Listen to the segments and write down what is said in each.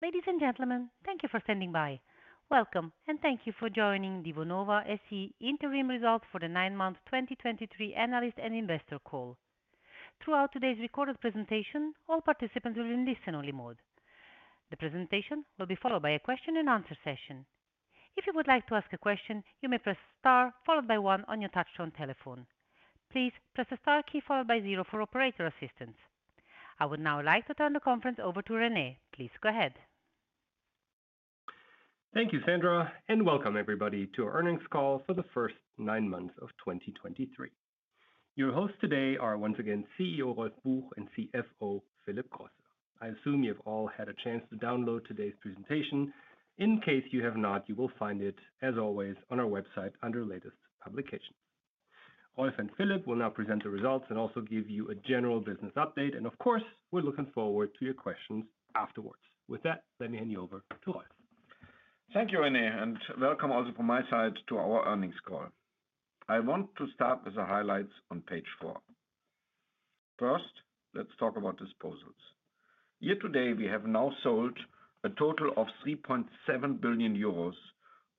Ladies and gentlemen, thank you for standing by. Welcome, and thank you for joining Vonovia SE Interim Results for the nine months 2023 analyst and investor call. Throughout today's recorded presentation, all participants will be in listen-only mode. The presentation will be followed by a question-and-answer session. If you would like to ask a question, you may press star followed by one on your touchtone telephone. Please press the star key followed by zero for operator assistance. I would now like to turn the conference over to Rene. Please go ahead. Thank you, Sandra, and welcome everybody to our earnings call for the first nine months of 2023. Your hosts today are once again, CEO Rolf Buch and CFO Philip Grosse. I assume you have all had a chance to download today's presentation. In case you have not, you will find it, as always, on our website under latest publications. Rolf and Philip will now present the results and also give you a general business update, and of course, we're looking forward to your questions afterwards. With that, let me hand you over to Rolf. Thank you, Rene, and welcome also from my side to our earnings call. I want to start with the highlights on page four. First, let's talk about disposals. Year to date, we have now sold a total of 3.7 billion euros,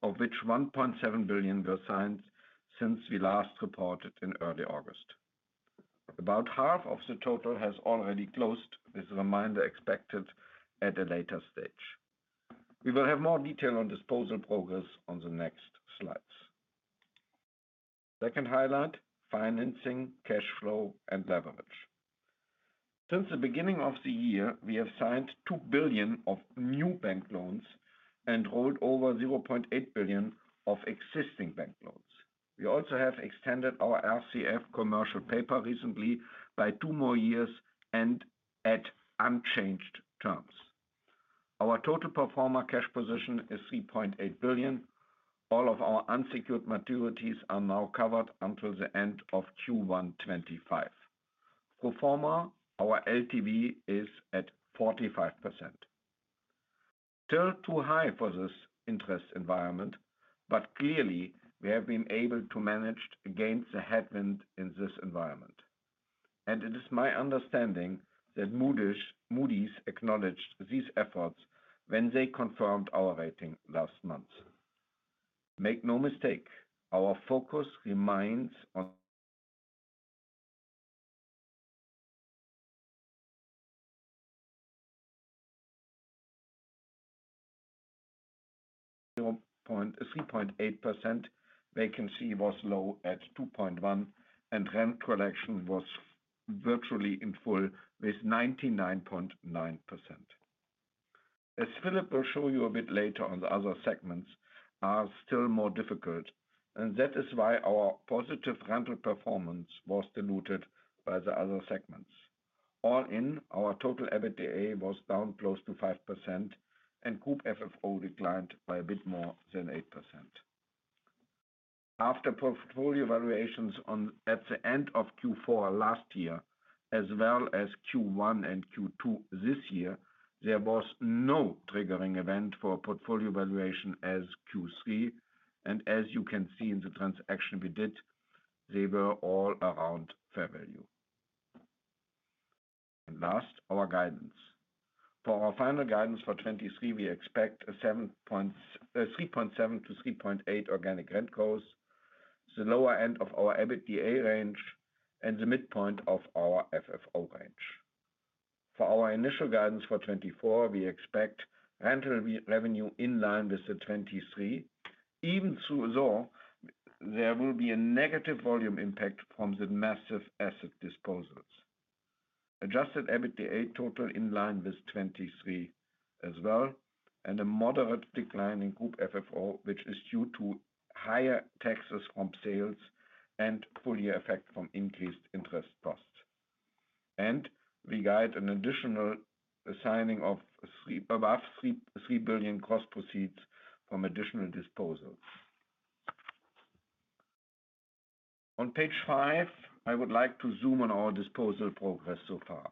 of which 1.7 billion were signed since we last reported in early August. About half of the total has already closed, with the remainder expected at a later stage. We will have more detail on disposal progress on the next slides. Second highlight, financing, cash flow, and leverage. Since the beginning of the year, we have signed 2 billion of new bank loans and rolled over 0.8 billion of existing bank loans. We also have extended our RCF commercial paper recently by two more years and at unchanged terms. Our total pro forma cash position is 3.8 billion. All of our unsecured maturities are now covered until the end of Q1 2025. Pro forma, our LTV is at 45%. Still too high for this interest environment, but clearly we have been able to manage against the headwind in this environment. And it is my understanding that Moody's acknowledged these efforts when they confirmed our rating last month. Make no mistake, our focus remains on 3.8%. Vacancy was low at 2.1%, and rent collection was virtually in full, with 99.9%. As Philip will show you a bit later on, the other segments are still more difficult, and that is why our positive rental performance was diluted by the other segments. All in, our total EBITDA was down close to 5%, and group FFO declined by a bit more than 8%. After portfolio valuations on, at the end of Q4 last year, as well as Q1 and Q2 this year, there was no triggering event for portfolio valuation in Q3. As you can see in the transaction we did, they were all around fair value. Last, our guidance. For our final guidance for 2023, we expect 3.7%-3.8% organic rent growth, the lower end of our EBITDA range, and the midpoint of our FFO range. For our initial guidance for 2024, we expect rental revenue in line with 2023. Even though there will be a negative volume impact from the massive asset disposals. Adjusted EBITDA total in line with 2023 as well, and a moderate decline in group FFO, which is due to higher taxes from sales and full effect from increased interest costs. And we guide an additional signing of above 3.3 billion gross proceeds from additional disposals. On page five, I would like to zoom on our disposal progress so far.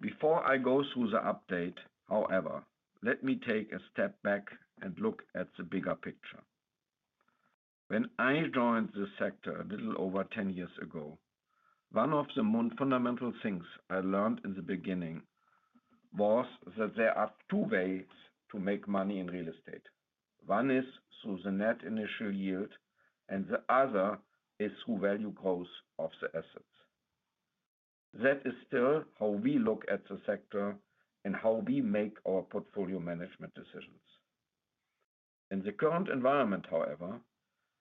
Before I go through the update, however, let me take a step back and look at the bigger picture. When I joined this sector a little over 10 years ago, one of the fundamental things I learned in the beginning was that there are two ways to make money in real estate. One is through the net initial yield, and the other is through value growth of the assets. That is still how we look at the sector and how we make our portfolio management decisions. In the current environment, however,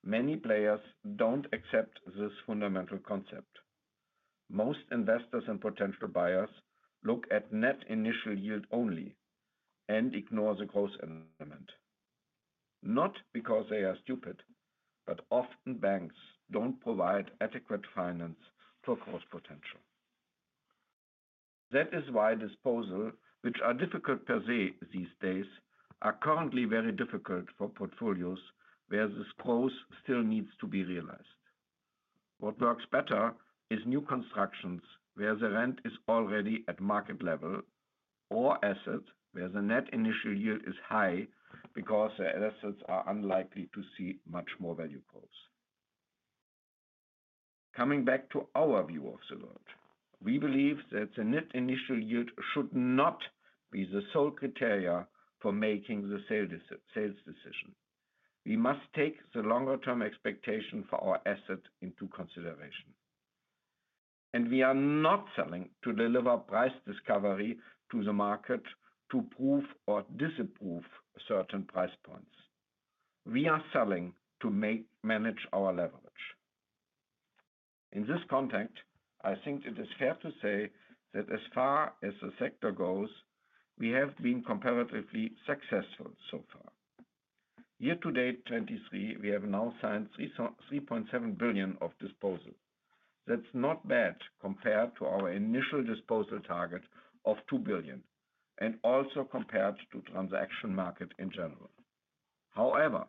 many players don't accept this fundamental concept. Most investors and potential buyers look at net initial yield only and ignore the growth element, not because they are stupid, but often banks don't provide adequate finance for growth potential. That is why disposals, which are difficult per se these days, are currently very difficult for portfolios where this growth still needs to be realized. What works better is new constructions, where the rent is already at market level, or assets, where the net initial yield is high because the assets are unlikely to see much more value growth. Coming back to our view of the world, we believe that the net initial yield should not be the sole criteria for making the sales decision. We must take the longer term expectation for our asset into consideration. We are not selling to deliver price discovery to the market to prove or disapprove certain price points. We are selling to manage our leverage. In this context, I think it is fair to say that as far as the sector goes, we have been comparatively successful so far. Year to date 2023, we have now signed 3.7 billion of disposal. That's not bad compared to our initial disposal target of 2 billion, and also compared to transaction market in general. However,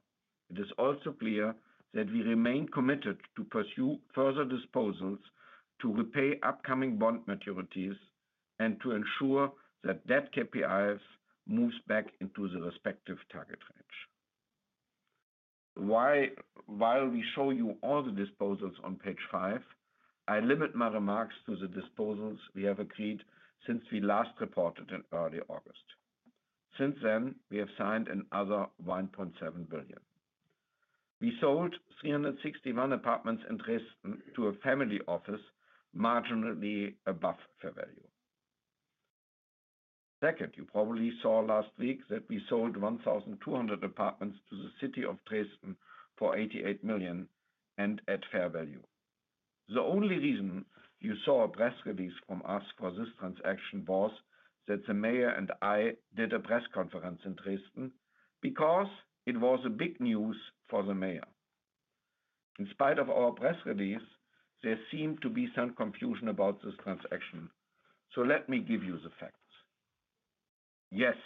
it is also clear that we remain committed to pursue further disposals to repay upcoming bond maturities and to ensure that debt KPIs moves back into the respective target range. While we show you all the disposals on page five, I limit my remarks to the disposals we have agreed since we last reported in early August. Since then, we have signed another 1.7 billion. We sold 361 apartments in Dresden to a family office, marginally above fair value. Second, you probably saw last week that we sold 1,200 apartments to the city of Dresden for 88 million and at fair value. The only reason you saw a press release from us for this transaction was that the mayor and I did a press conference in Dresden because it was a big news for the mayor. In spite of our press release, there seemed to be some confusion about this transaction. So let me give you the facts. Yes,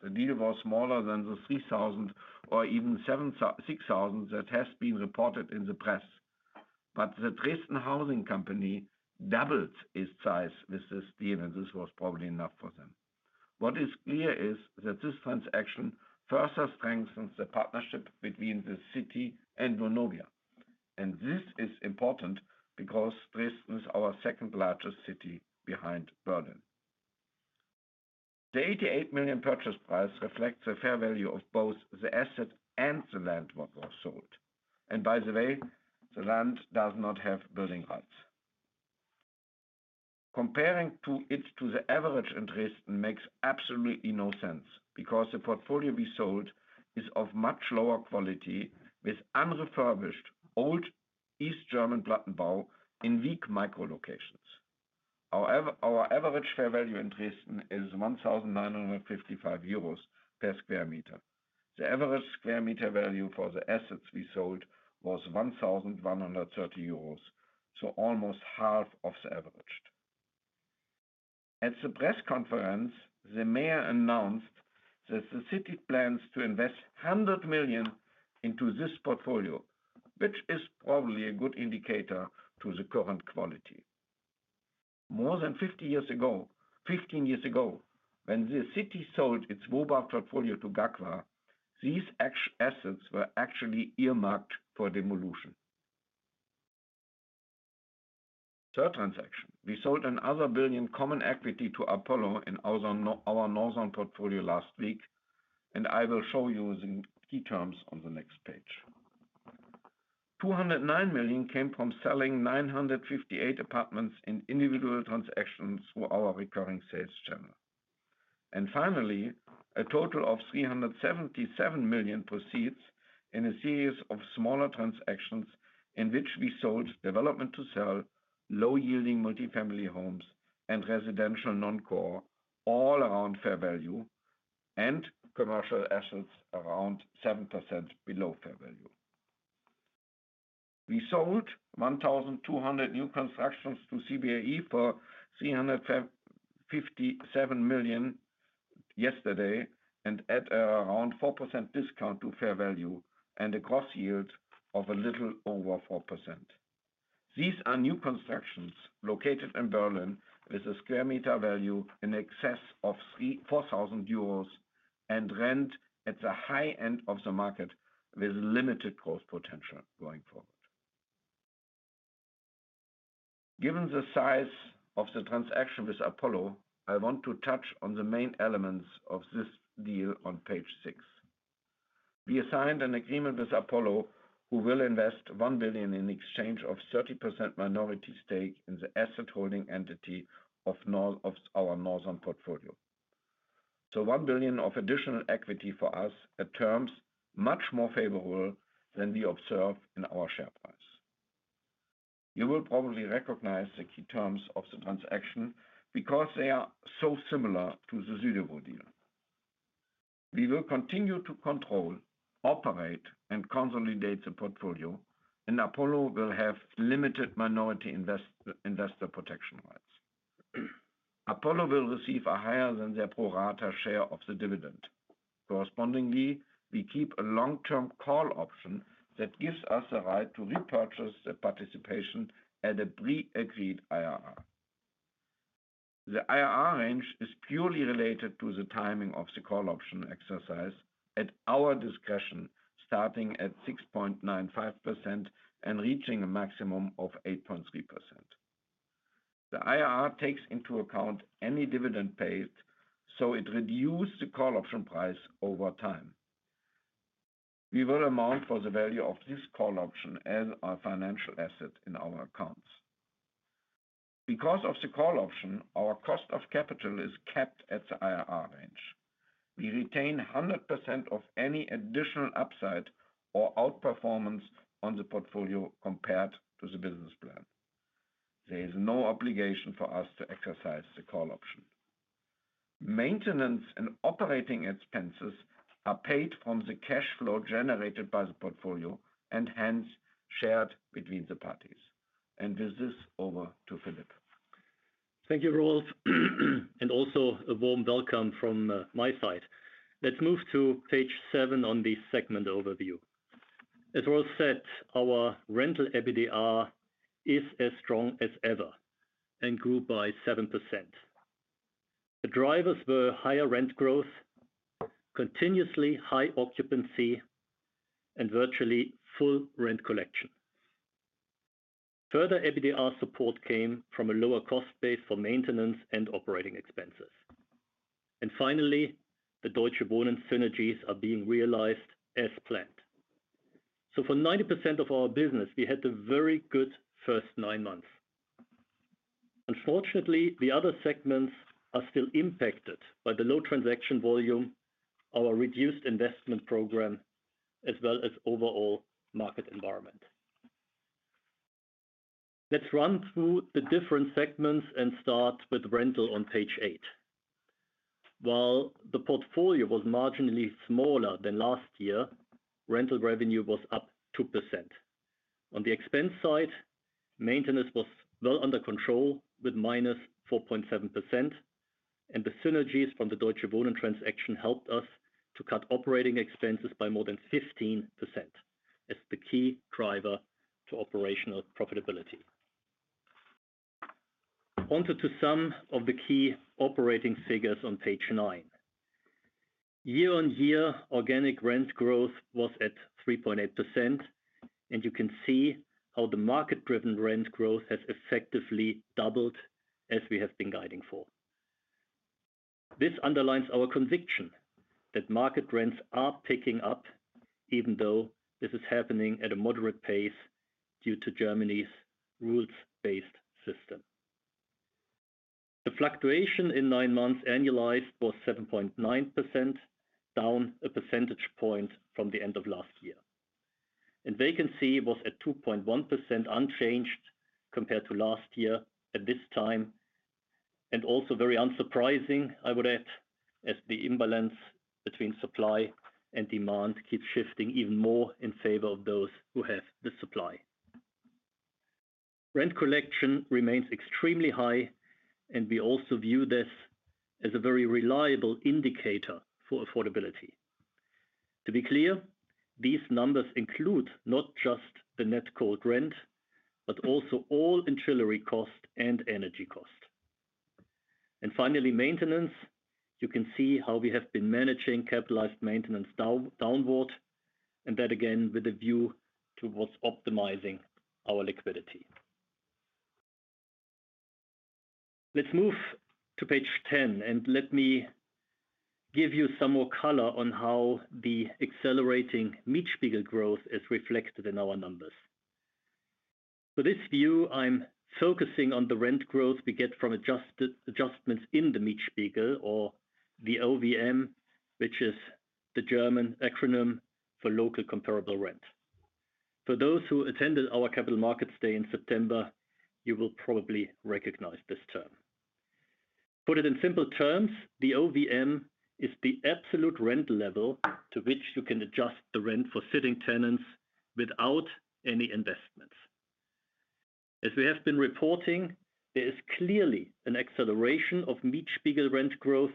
the deal was smaller than the 3,000 or even six thousand that has been reported in the press, but the Dresden Housing Company doubled its size with this deal, and this was probably enough for them. What is clear is that this transaction further strengthens the partnership between the city and Vonovia. And this is important because Dresden is our second largest city behind Berlin. The 88 million purchase price reflects the fair value of both the asset and the land what was sold. And by the way, the land does not have building rights. Comparing to it, to the average interest makes absolutely no sense because the portfolio we sold is of much lower quality, with unrefurbished, old East German Plattenbau in weak micro locations. Our average fair value in Dresden is 1,955 euros per square meter. The average square meter value for the assets we sold was 1,130 euros, so almost half of the average. At the press conference, the mayor announced that the city plans to invest 100 million into this portfolio, which is probably a good indicator to the current quality. More than 50 years ago—15 years ago, when the city sold its WOBA portfolio to GAGFAH, these assets were actually earmarked for demolition. Third transaction, we sold another 1 billion common equity to Apollo in our Northern portfolio last week, and I will show you the key terms on the next page. 209 million came from selling 958 apartments in individual transactions through our recurring sales channel. And finally, a total of 377 million proceeds in a series of smaller transactions in which we sold development to sell low-yielding multifamily homes and residential non-core, all around fair value and commercial assets, around 7% below fair value. We sold 1,200 new constructions to CBRE for 357 million yesterday, and at around 4% discount to fair value and a gross yield of a little over 4%. These are new constructions located in Berlin, with a square meter value in excess of 4,000 euros and rent at the high end of the market, with limited growth potential going forward. Given the size of the transaction with Apollo, I want to touch on the main elements of this deal on page six. We assigned an agreement with Apollo, who will invest 1 billion in exchange of 30% minority stake in the asset holding entity of our Northern portfolio. So 1 billion of additional equity for us at terms much more favorable than we observe in our share price. You will probably recognize the key terms of the transaction because they are so similar to the Südewo deal. We will continue to control, operate, and consolidate the portfolio, and Apollo will have limited minority investor protection rights. Apollo will receive a higher than their pro rata share of the dividend. Correspondingly, we keep a long-term call option that gives us the right to repurchase the participation at a pre-agreed IRR. The IRR range is purely related to the timing of the call option exercise at our discretion, starting at 6.95% and reaching a maximum of 8.3%. The IRR takes into account any dividend paid, so it reduces the call option price over time. We will account for the value of this call option as our financial asset in our accounts. Because of the call option, our cost of capital is kept at the IRR range. We retain 100% of any additional upside or outperformance on the portfolio compared to the business plan. There is no obligation for us to exercise the call option. Maintenance and operating expenses are paid from the cash flow generated by the portfolio, and hence shared between the parties. With this, over to Philip. Thank you, Rolf. And also a warm welcome from my side. Let's move to page seven on the segment overview. As Rolf said, our rental EBITDA is as strong as ever and grew by 7%. The drivers were higher rent growth, continuously high occupancy, and virtually full rent collection. Further EBITDA support came from a lower cost base for maintenance and operating expenses. And finally, the Deutsche Wohnen synergies are being realized as planned. So for 90% of our business, we had a very good first nine months. Unfortunately, the other segments are still impacted by the low transaction volume, our reduced investment program, as well as overall market environment. Let's run through the different segments and start with rental on page eight. While the portfolio was marginally smaller than last year, rental revenue was up 2%. On the expense side, maintenance was well under control, with -4.7%, and the synergies from the Deutsche Wohnen transaction helped us to cut operating expenses by more than 15%, as the key driver to operational profitability. On to some of the key operating figures on page nine. Year-on-year, organic rent growth was at 3.8%, and you can see how the market-driven rent growth has effectively doubled as we have been guiding for. This underlines our conviction that market rents are picking up, even though this is happening at a moderate pace due to Germany's rules-based system. The fluctuation in nine months annualized was 7.9%, down a percentage point from the end of last year. And vacancy was at 2.1%, unchanged compared to last year at this time, and also very unsurprising, I would add, as the imbalance between supply and demand keeps shifting even more in favor of those who have the supply. Rent collection remains extremely high, and we also view this as a very reliable indicator for affordability. To be clear, these numbers include not just the net cold rent, but also all ancillary costs and energy costs. And finally, maintenance. You can see how we have been managing capitalized maintenance downward, and that, again, with a view towards optimizing our liquidity. Let's move to page 10, and let me give you some more color on how the accelerating Mietspiegel growth is reflected in our numbers. For this view, I'm focusing on the rent growth we get from adjusted adjustments in the Mietspiegel or the OVM, which is the German acronym for local comparable rent. For those who attended our Capital Markets Day in September, you will probably recognize this term. To put it in simple terms, the OVM is the absolute rent level to which you can adjust the rent for sitting tenants without any investments. As we have been reporting, there is clearly an acceleration of Mietspiegel rent growth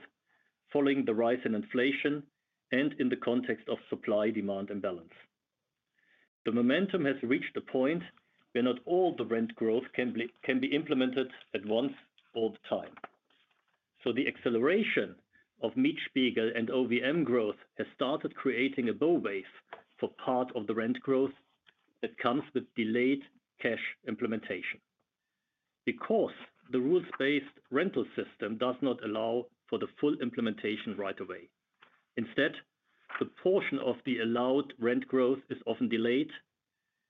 following the rise in inflation and in the context of supply-demand imbalance. The momentum has reached a point where not all the rent growth can be implemented at once, all the time. So the acceleration of Mietspiegel and OVM growth has started creating a bow wave for part of the rent growth that comes with delayed cash implementation. Because the rules-based rental system does not allow for the full implementation right away. Instead, the portion of the allowed rent growth is often delayed,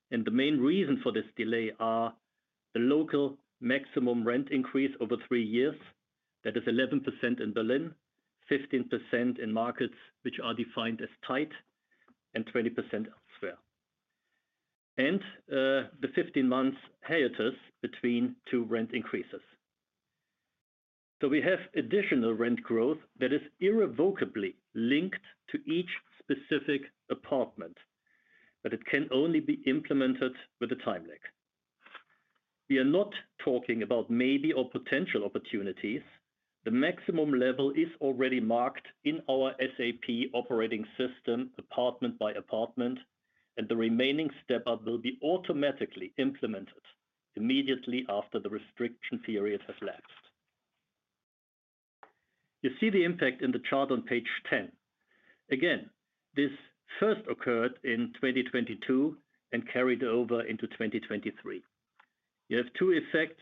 and the main reason for this delay are the local maximum rent increase over three years. That is 11% in Berlin, 15% in markets which are defined as tight, and 20% elsewhere. And, the 15 months hiatus between two rent increases. So we have additional rent growth that is irrevocably linked to each specific apartment, but it can only be implemented with a time lag. We are not talking about maybe or potential opportunities. The maximum level is already marked in our SAP operating system, apartment by apartment... and the remaining step-up will be automatically implemented immediately after the restriction period has lapsed. You see the impact in the chart on page 10. Again, this first occurred in 2022 and carried over into 2023. You have two effects: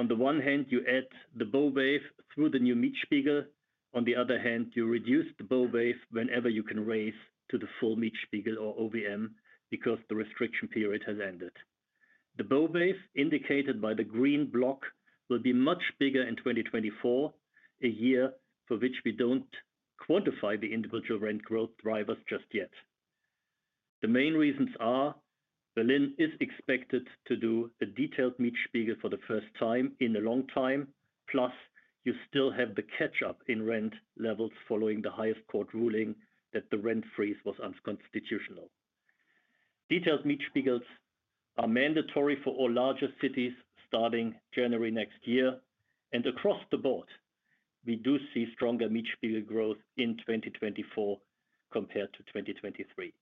on the one hand, you add the bow wave through the new Mietspiegel. On the other hand, you reduce the bow wave whenever you can raise to the full Mietspiegel or OVM, because the restriction period has ended. The bow wave, indicated by the green block, will be much bigger in 2024, a year for which we don't quantify the individual rent growth drivers just yet. The main reasons are: Berlin is expected to do a detailed Mietspiegel for the first time in a long time, plus you still have the catch-up in rent levels following the highest court ruling that the rent freeze was unconstitutional. Detailed Mietspiegels are mandatory for all larger cities starting January next year, and across the board, we do see stronger Mietspiegel growth in 2024 compared to 2023.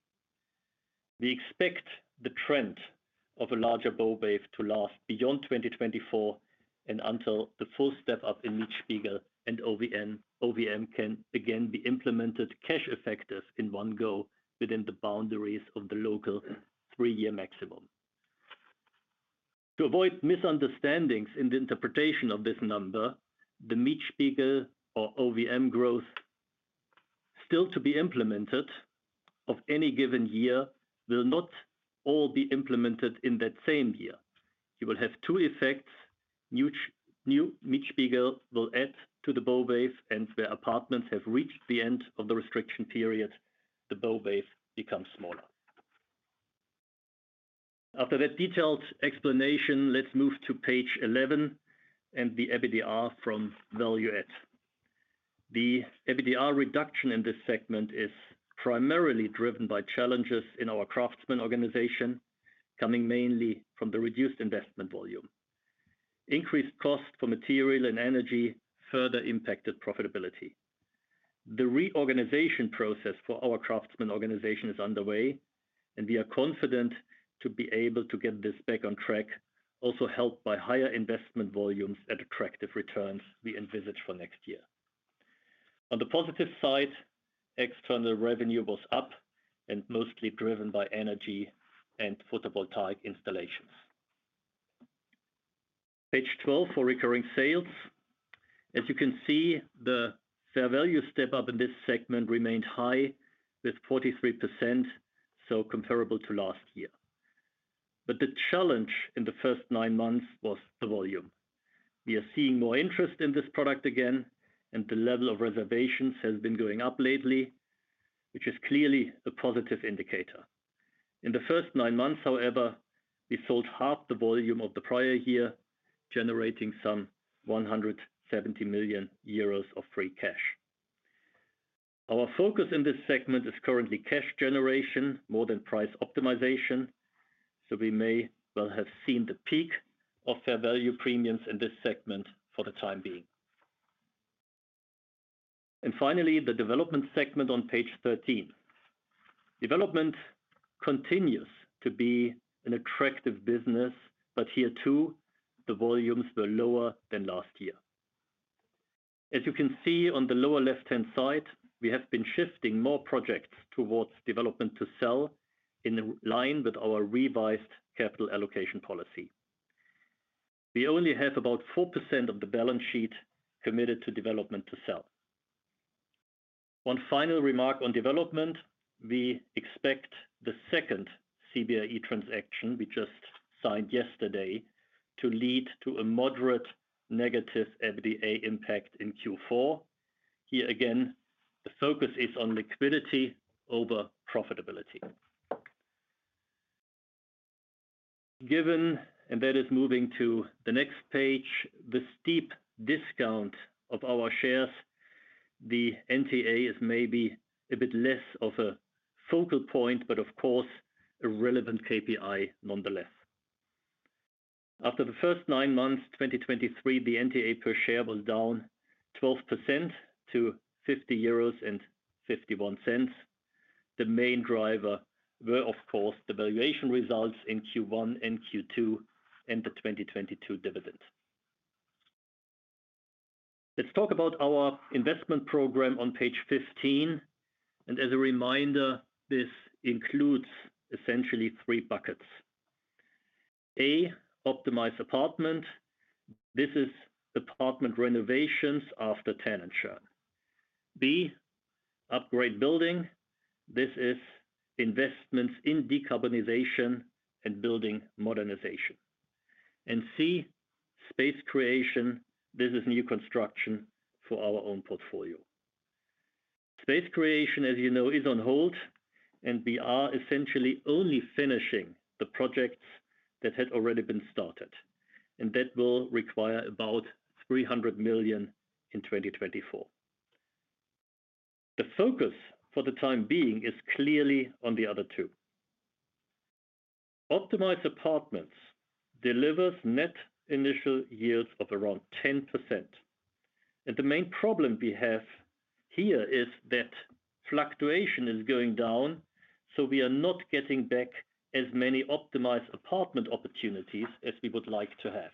We expect the trend of a larger bow wave to last beyond 2024 and until the full step-up in Mietspiegel and OVM can again be implemented cash effective in one go within the boundaries of the local three-year maximum. To avoid misunderstandings in the interpretation of this number, the Mietspiegel or OVM growth still to be implemented of any given year will not all be implemented in that same year. You will have two effects. New Mietspiegel will add to the bow wave, and where apartments have reached the end of the restriction period, the bow wave becomes smaller. After that detailed explanation, let's move to page 11 and the EBITDA from value add. The EBITDA reduction in this segment is primarily driven by challenges in our craftsman organization, coming mainly from the reduced investment volume. Increased cost for material and energy further impacted profitability. The reorganization process for our craftsman organization is underway, and we are confident to be able to get this back on track, also helped by higher investment volumes at attractive returns we envisage for next year. On the positive side, external revenue was up and mostly driven by energy and photovoltaic installations. Page 12 for recurring sales. As you can see, the fair value step-up in this segment remained high, with 43%, so comparable to last year. But the challenge in the first nine months was the volume. We are seeing more interest in this product again, and the level of reservations has been going up lately, which is clearly a positive indicator. In the first nine months, however, we sold half the volume of the prior year, generating some 170 million euros of free cash. Our focus in this segment is currently cash generation more than price optimization, so we may well have seen the peak of fair value premiums in this segment for the time being. And finally, the development segment on page 13. Development continues to be an attractive business, but here, too, the volumes were lower than last year. As you can see on the lower left-hand side, we have been shifting more projects towards development to sell in line with our revised capital allocation policy. We only have about 4% of the balance sheet committed to development to sell. One final remark on development: we expect the second CBRE transaction we just signed yesterday to lead to a moderate negative EBITDA impact in Q4. Here again, the focus is on liquidity over profitability. Given, and that is moving to the next page, the steep discount of our shares, the NTA is maybe a bit less of a focal point, but of course, a relevant KPI nonetheless. After the first nine months, 2023, the NTA per share was down 12% to 50.51 euros. The main driver were, of course, the valuation results in Q1 and Q2 and the 2022 dividend. Let's talk about our investment program on page 15, and as a reminder, this includes essentially three buckets. A, optimize apartment. This is apartment renovations after tenant churn. B, upgrade building. This is investments in decarbonization and building modernization. And C, space creation. This is new construction for our own portfolio. Space creation, as you know, is on hold, and we are essentially only finishing the projects that had already been started, and that will require about 300 million in 2024. The focus for the time being is clearly on the other two.... Optimized apartments delivers net initial yields of around 10%. And the main problem we have here is that fluctuation is going down, so we are not getting back as many optimized apartment opportunities as we would like to have.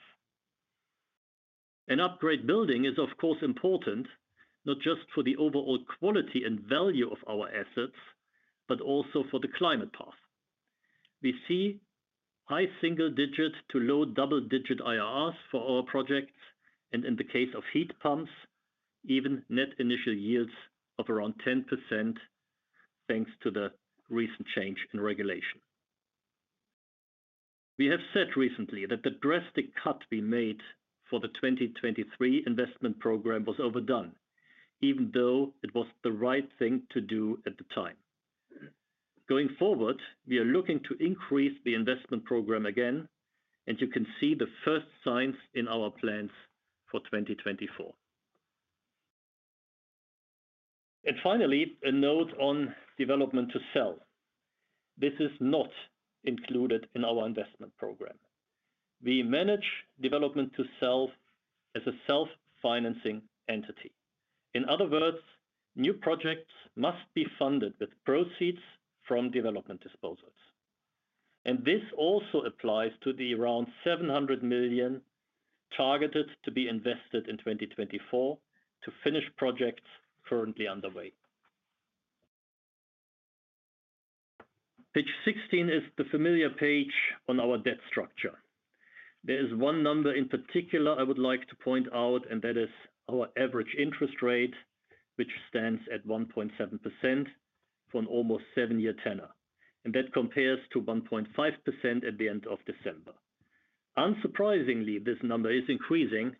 An upgrade building is, of course, important, not just for the overall quality and value of our assets, but also for the climate path. We see high single-digit to low double-digit IRRs for our projects, and in the case of heat pumps, even net initial yields of around 10%, thanks to the recent change in regulation. We have said recently that the drastic cut we made for the 2023 investment program was overdone, even though it was the right thing to do at the time. Going forward, we are looking to increase the investment program again, and you can see the first signs in our plans for 2024. And finally, a note on development to sell. This is not included in our investment program. We manage development to sell as a self-financing entity. In other words, new projects must be funded with proceeds from development disposals. And this also applies to the around 700 million targeted to be invested in 2024 to finish projects currently underway. Page 16 is the familiar page on our debt structure. There is one number in particular I would like to point out, and that is our average interest rate, which stands at 1.7% for an almost seven-year tenor, and that compares to 1.5% at the end of December. Unsurprisingly, this number is increasing,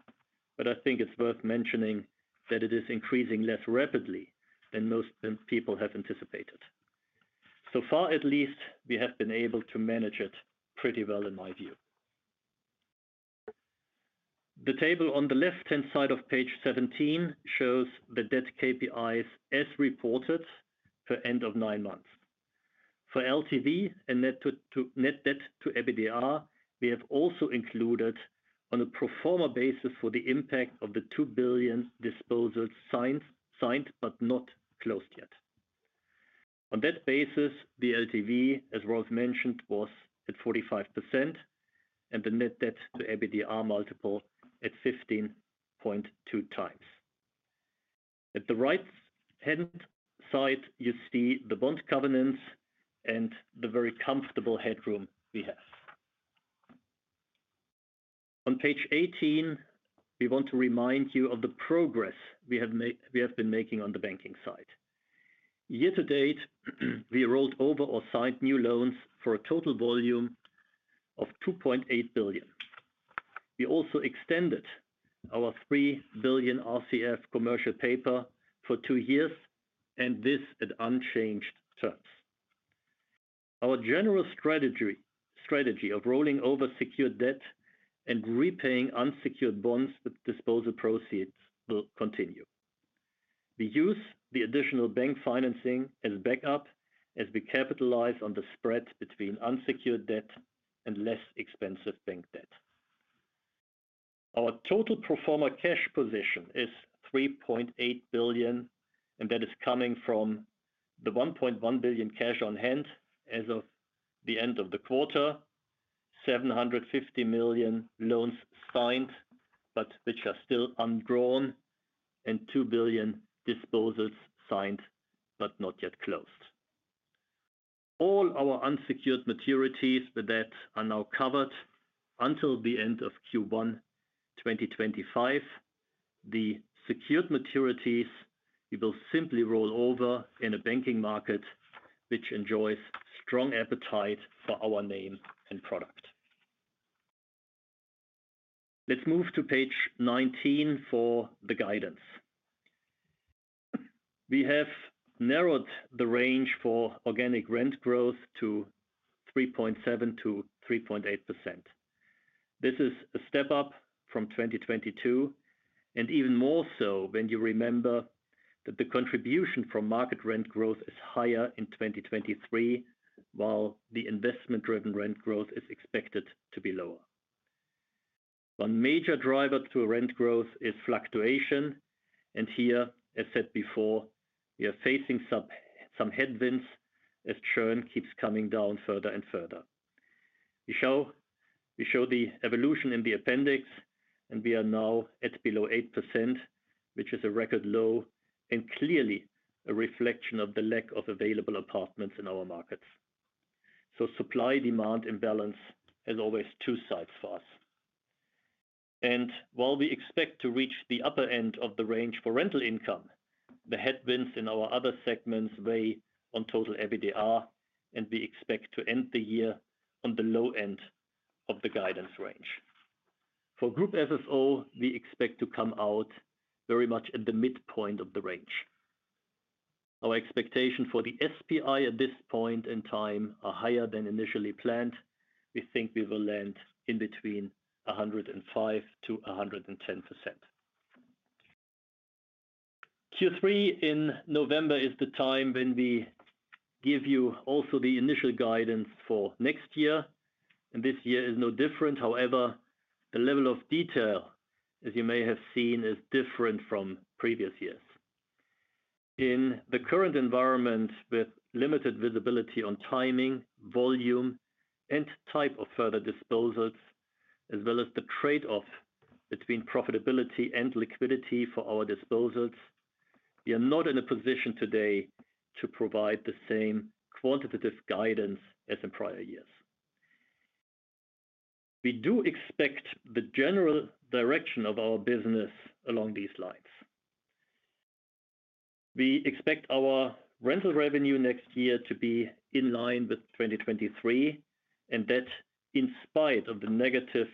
but I think it's worth mentioning that it is increasing less rapidly than most people have anticipated. So far, at least, we have been able to manage it pretty well in my view. The table on the left-hand side of page 17 shows the debt KPIs as reported for end of nine months. For LTV and net debt to EBITDA, we have also included on a pro forma basis for the impact of the 2 billion disposals signed, but not closed yet. On that basis, the LTV, as Rolf mentioned, was at 45% and the net debt to EBITDA multiple at 15.2x. At the right-hand side, you see the bond covenants and the very comfortable headroom we have. On page 18, we want to remind you of the progress we have made, we have been making on the banking side. Year to date, we rolled over or signed new loans for a total volume of 2.8 billion. We also extended our 3 billion RCF commercial paper for two years, and this at unchanged terms. Our general strategy, strategy of rolling over secured debt and repaying unsecured bonds with disposal proceeds will continue. We use the additional bank financing as backup as we capitalize on the spread between unsecured debt and less expensive bank debt. Our total pro forma cash position is 3.8 billion, and that is coming from the 1.1 billion cash on hand as of the end of the quarter, 750 million loans signed, but which are still undrawn, and 2 billion disposals signed, but not yet closed. All our unsecured maturities with debt are now covered until the end of Q1 2025. The secured maturities, we will simply roll over in a banking market which enjoys strong appetite for our name and product. Let's move to page 19 for the guidance. We have narrowed the range for organic rent growth to 3.7%-3.8%. This is a step up from 2022, and even more so when you remember that the contribution from market rent growth is higher in 2023, while the investment-driven rent growth is expected to be lower. One major driver to rent growth is fluctuation, and here, as said before, we are facing some headwinds as churn keeps coming down further and further. We show the evolution in the appendix, and we are now at below 8%, which is a record low and clearly a reflection of the lack of available apartments in our markets. So supply-demand imbalance is always two sides for us. And while we expect to reach the upper end of the range for rental income, the headwinds in our other segments weigh on total EBITDA, and we expect to end the year on the low end of the guidance range. For Group FFO, we expect to come out very much at the midpoint of the range. Our expectation for the SPI at this point in time are higher than initially planned. We think we will land in between 105% and 110%.... Q3 in November is the time when we give you also the initial guidance for next year, and this year is no different. However, the level of detail, as you may have seen, is different from previous years. In the current environment, with limited visibility on timing, volume, and type of further disposals, as well as the trade-off between profitability and liquidity for our disposals, we are not in a position today to provide the same quantitative guidance as in prior years. We do expect the general direction of our business along these lines. We expect our rental revenue next year to be in line with 2023, and that in spite of the negative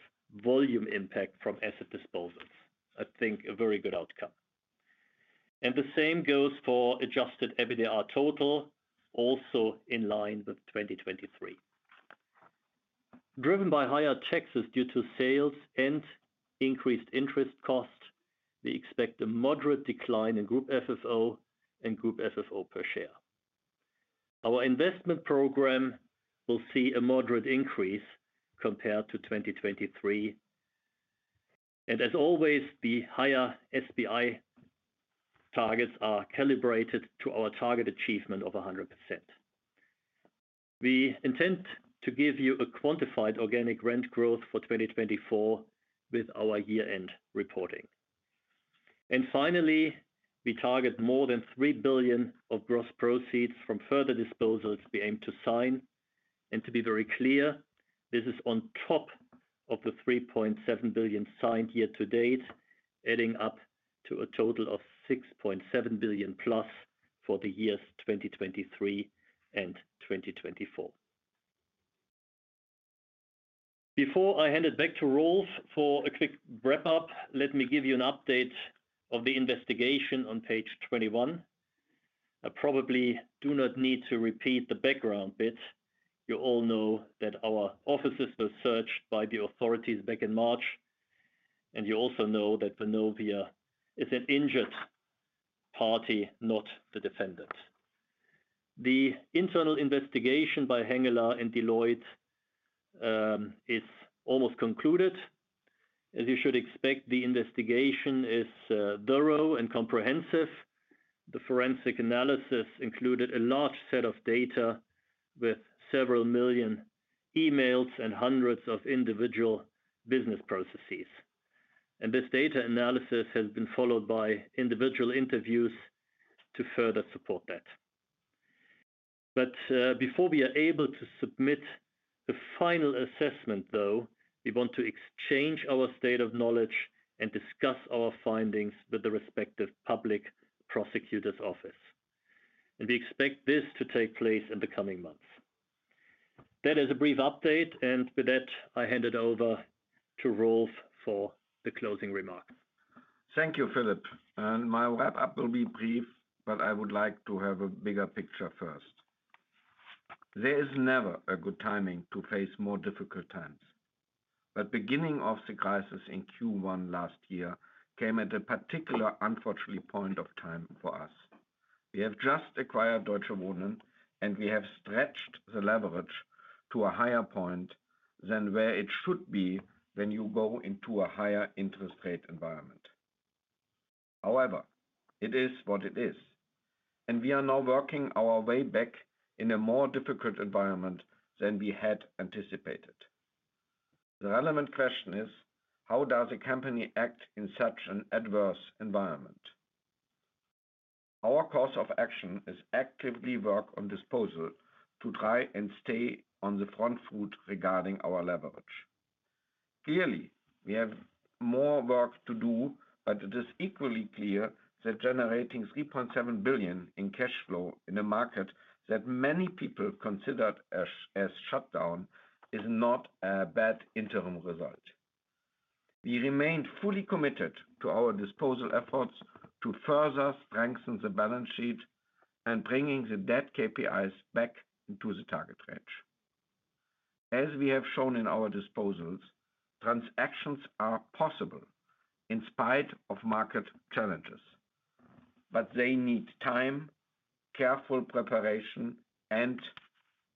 volume impact from asset disposals, I think a very good outcome. The same goes for Adjusted EBITDA total, also in line with 2023. Driven by higher taxes due to sales and increased interest costs, we expect a moderate decline in Group FFO and Group FFO per share. Our investment program will see a moderate increase compared to 2023, and as always, the higher SPI targets are calibrated to our target achievement of 100%. We intend to give you a quantified organic rent growth for 2024 with our year-end reporting. Finally, we target more than 3 billion of gross proceeds from further disposals we aim to sign. And to be very clear, this is on top of the 3.7 billion signed here to date, adding up to a total of 6.7 billion plus for the years 2023 and 2024. Before I hand it back to Rolf for a quick wrap-up, let me give you an update of the investigation on page 21. I probably do not need to repeat the background bit. You all know that our offices were searched by the authorities back in March, and you also know that Vonovia is an injured party, not the defendant. The internal investigation by Hengeler Mueller and Deloitte is almost concluded. As you should expect, the investigation is thorough and comprehensive. The forensic analysis included a large set of data with several million emails and hundreds of individual business processes. And this data analysis has been followed by individual interviews to further support that. But, before we are able to submit the final assessment, though, we want to exchange our state of knowledge and discuss our findings with the respective public prosecutor's office, and we expect this to take place in the coming months. That is a brief update, and with that, I hand it over to Rolf for the closing remarks. Thank you, Philip. My wrap-up will be brief, but I would like to have a bigger picture first. There is never a good timing to face more difficult times, but beginning of the crisis in Q1 last year came at a particular, unfortunately, point of time for us. We have just acquired Deutsche Wohnen, and we have stretched the leverage to a higher point than where it should be when you go into a higher interest rate environment. However, it is what it is, and we are now working our way back in a more difficult environment than we had anticipated. The relevant question is: How does a company act in such an adverse environment? Our course of action is actively work on disposal to try and stay on the front foot regarding our leverage. Clearly, we have more work to do, but it is equally clear that generating 3.7 billion in cash flow in a market that many people considered as shutdown is not a bad interim result. We remain fully committed to our disposal efforts to further strengthen the balance sheet and bringing the debt KPIs back into the target range. As we have shown in our disposals, transactions are possible in spite of market challenges, but they need time, careful preparation, and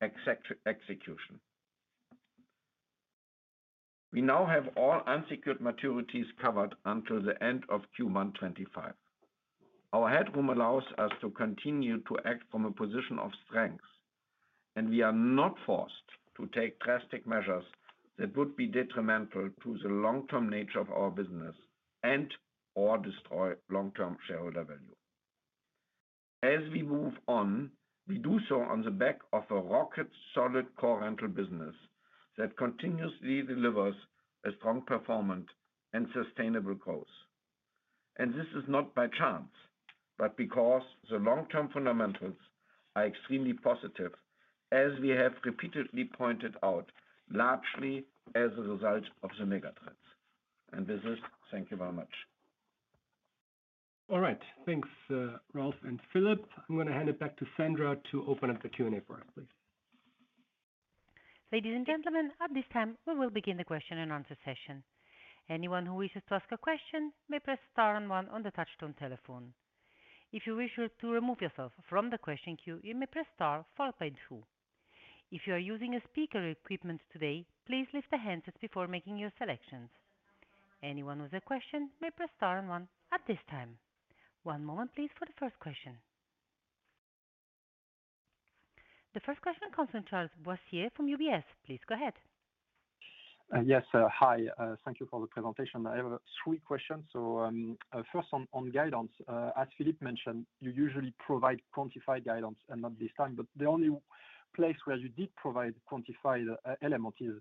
execution. We now have all unsecured maturities covered until the end of Q1 2025. Our headroom allows us to continue to act from a position of strength, and we are not forced to take drastic measures that would be detrimental to the long-term nature of our business and/or destroy long-term shareholder value. As we move on, we do so on the back of a rock-solid core rental business that continuously delivers a strong performance and sustainable growth. This is not by chance, but because the long-term fundamentals are extremely positive, as we have repeatedly pointed out, largely as a result of the megatrends. With this, thank you very much. All right. Thanks, Rolf and Philip. I'm going to hand it back to Sandra to open up the Q&A for us, please.... Ladies and gentlemen, at this time, we will begin the question and answer session. Anyone who wishes to ask a question may press star one on the touchtone telephone. If you wish to remove yourself from the question queue, you may press star four point two. If you are using a speaker equipment today, please lift the handset before making your selections. Anyone with a question may press star one at this time. One moment please, for the first question. The first question comes from Charles Boissier from UBS. Please go ahead. Yes. Hi, thank you for the presentation. I have three questions. First on guidance. As Philip mentioned, you usually provide quantified guidance and not this time, but the only place where you did provide quantified element is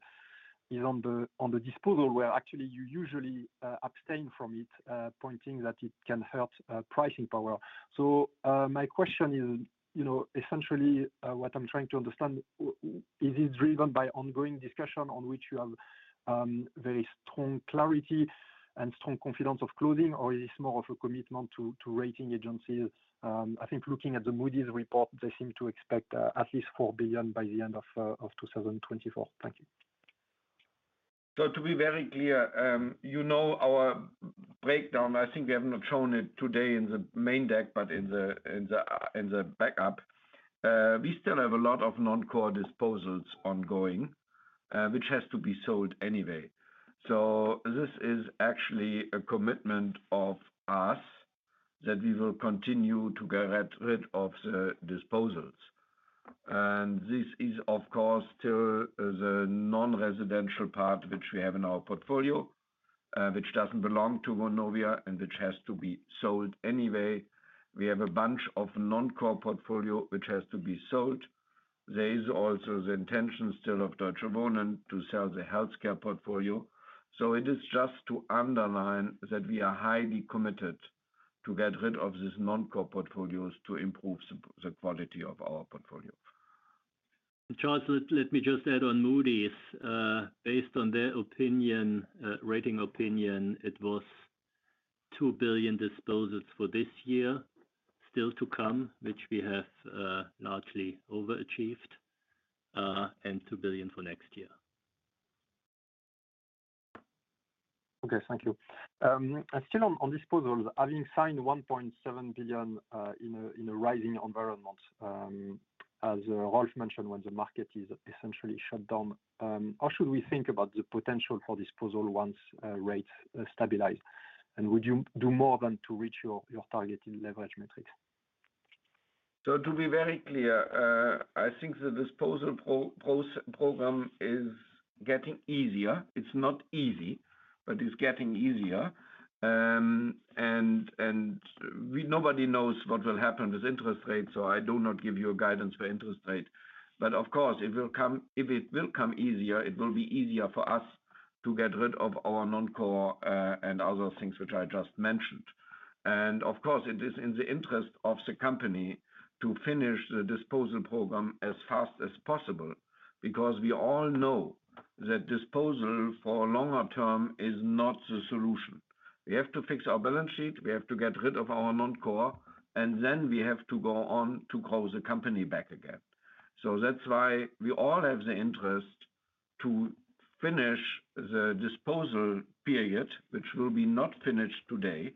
on the disposal, where actually you usually abstain from it, pointing that it can hurt pricing power. So, my question is, you know, essentially, what I'm trying to understand is it driven by ongoing discussion on which you have very strong clarity and strong confidence of closing, or is it more of a commitment to rating agencies? I think looking at the Moody's report, they seem to expect at least 4 billion by the end of 2024. Thank you. So to be very clear, you know, our breakdown, I think we have not shown it today in the main deck, but in the backup. We still have a lot of non-core disposals ongoing, which has to be sold anyway. So this is actually a commitment of us that we will continue to get rid of the disposals. And this is, of course, to the non-residential part, which we have in our portfolio, which doesn't belong to Vonovia, and which has to be sold anyway. We have a bunch of non-core portfolio, which has to be sold. There is also the intention still of Deutsche Wohnen to sell the healthcare portfolio. So it is just to underline that we are highly committed to get rid of this non-core portfolios to improve the quality of our portfolio. Charles, let me just add on Moody's. Based on their opinion, rating opinion, it was 2 billion disposals for this year, still to come, which we have largely overachieved, and 2 billion for next year. Okay. Thank you. And still on disposals, having signed 1.7 billion in a rising environment, as Rolf mentioned, when the market is essentially shut down, how should we think about the potential for disposal once rates stabilize? And would you do more than to reach your target in leverage metrics? So to be very clear, I think the disposal program is getting easier. It's not easy, but it's getting easier. And we—nobody knows what will happen with interest rates, so I do not give you a guidance for interest rate. But of course, it will come... If it will come easier, it will be easier for us to get rid of our non-core, and other things which I just mentioned. And of course, it is in the interest of the company to finish the disposal program as fast as possible, because we all know that disposal for longer term is not the solution. We have to fix our balance sheet, we have to get rid of our non-core, and then we have to go on to grow the company back again. So that's why we all have the interest to finish the disposal period, which will be not finished today,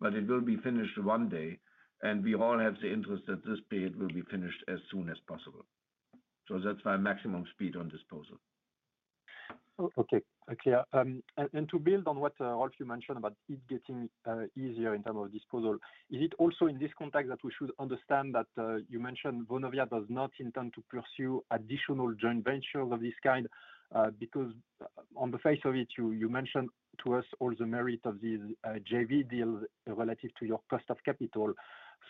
but it will be finished one day, and we all have the interest that this period will be finished as soon as possible. So that's my maximum speed on disposal. Okay, and to build on what, Rolf, you mentioned about it getting easier in terms of disposal, is it also in this context that we should understand that you mentioned Vonovia does not intend to pursue additional joint ventures of this kind? Because on the face of it, you, you mentioned to us all the merit of these JV deals relative to your cost of capital.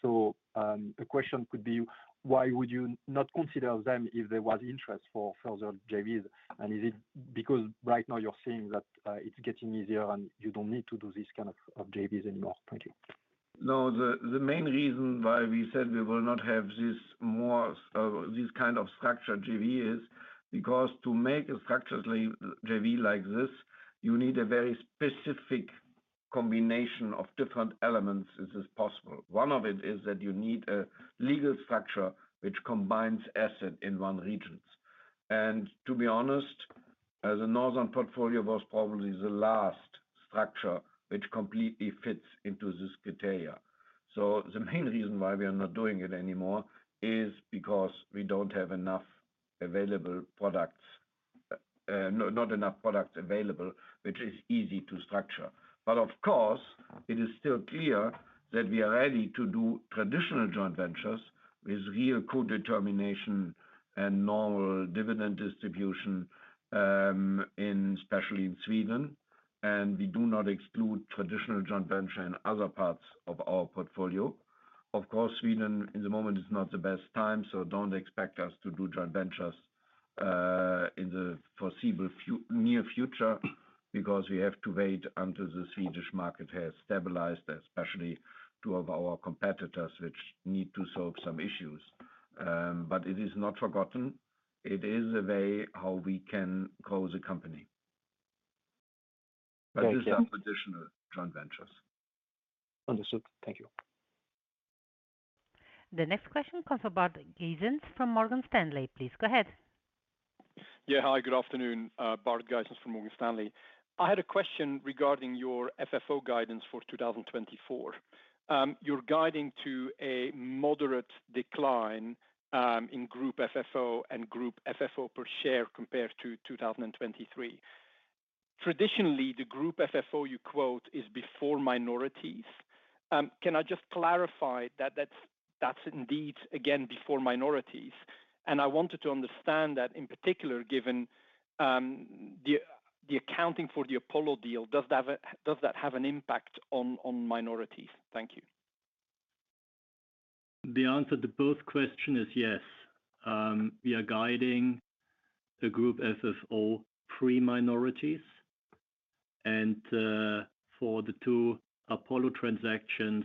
So, the question could be, why would you not consider them if there was interest for further JVs? And is it because right now you're seeing that it's getting easier and you don't need to do this kind of JVs anymore? Thank you. No, the main reason why we said we will not have this more, this kind of structured JV, is because to make a structured JV like this, you need a very specific combination of different elements, if it is possible. One of it is that you need a legal structure which combines assets in one region. And to be honest, the Northern portfolio was probably the last structure which completely fits into this criteria. So the main reason why we are not doing it anymore is because we don't have enough available products. Not enough products available, which is easy to structure. But of course, it is still clear that we are ready to do traditional joint ventures with real co-determination and normal dividend distribution, especially in Sweden, and we do not exclude traditional joint venture in other parts of our portfolio. Of course, Sweden in the moment is not the best time, so don't expect us to do joint ventures in the near future, because we have to wait until the Swedish market has stabilized, especially two of our competitors, which need to solve some issues. But it is not forgotten. It is a way how we can grow the company. Thank you. But it is additional joint ventures. Understood. Thank you.... The next question comes from Bart Gysens from Morgan Stanley. Please go ahead. Yeah. Hi, good afternoon. Bart Gysens from Morgan Stanley. I had a question regarding your FFO guidance for 2024. You're guiding to a moderate decline in group FFO and group FFO per share compared to 2023. Traditionally, the group FFO you quote is before minorities. Can I just clarify that, that's, that's indeed again before minorities? And I wanted to understand that in particular, given the accounting for the Apollo deal, does that have a-does that have an impact on minorities? Thank you. The answer to both question is yes. We are guiding the Group FFO pre-minorities, and for the two Apollo transactions,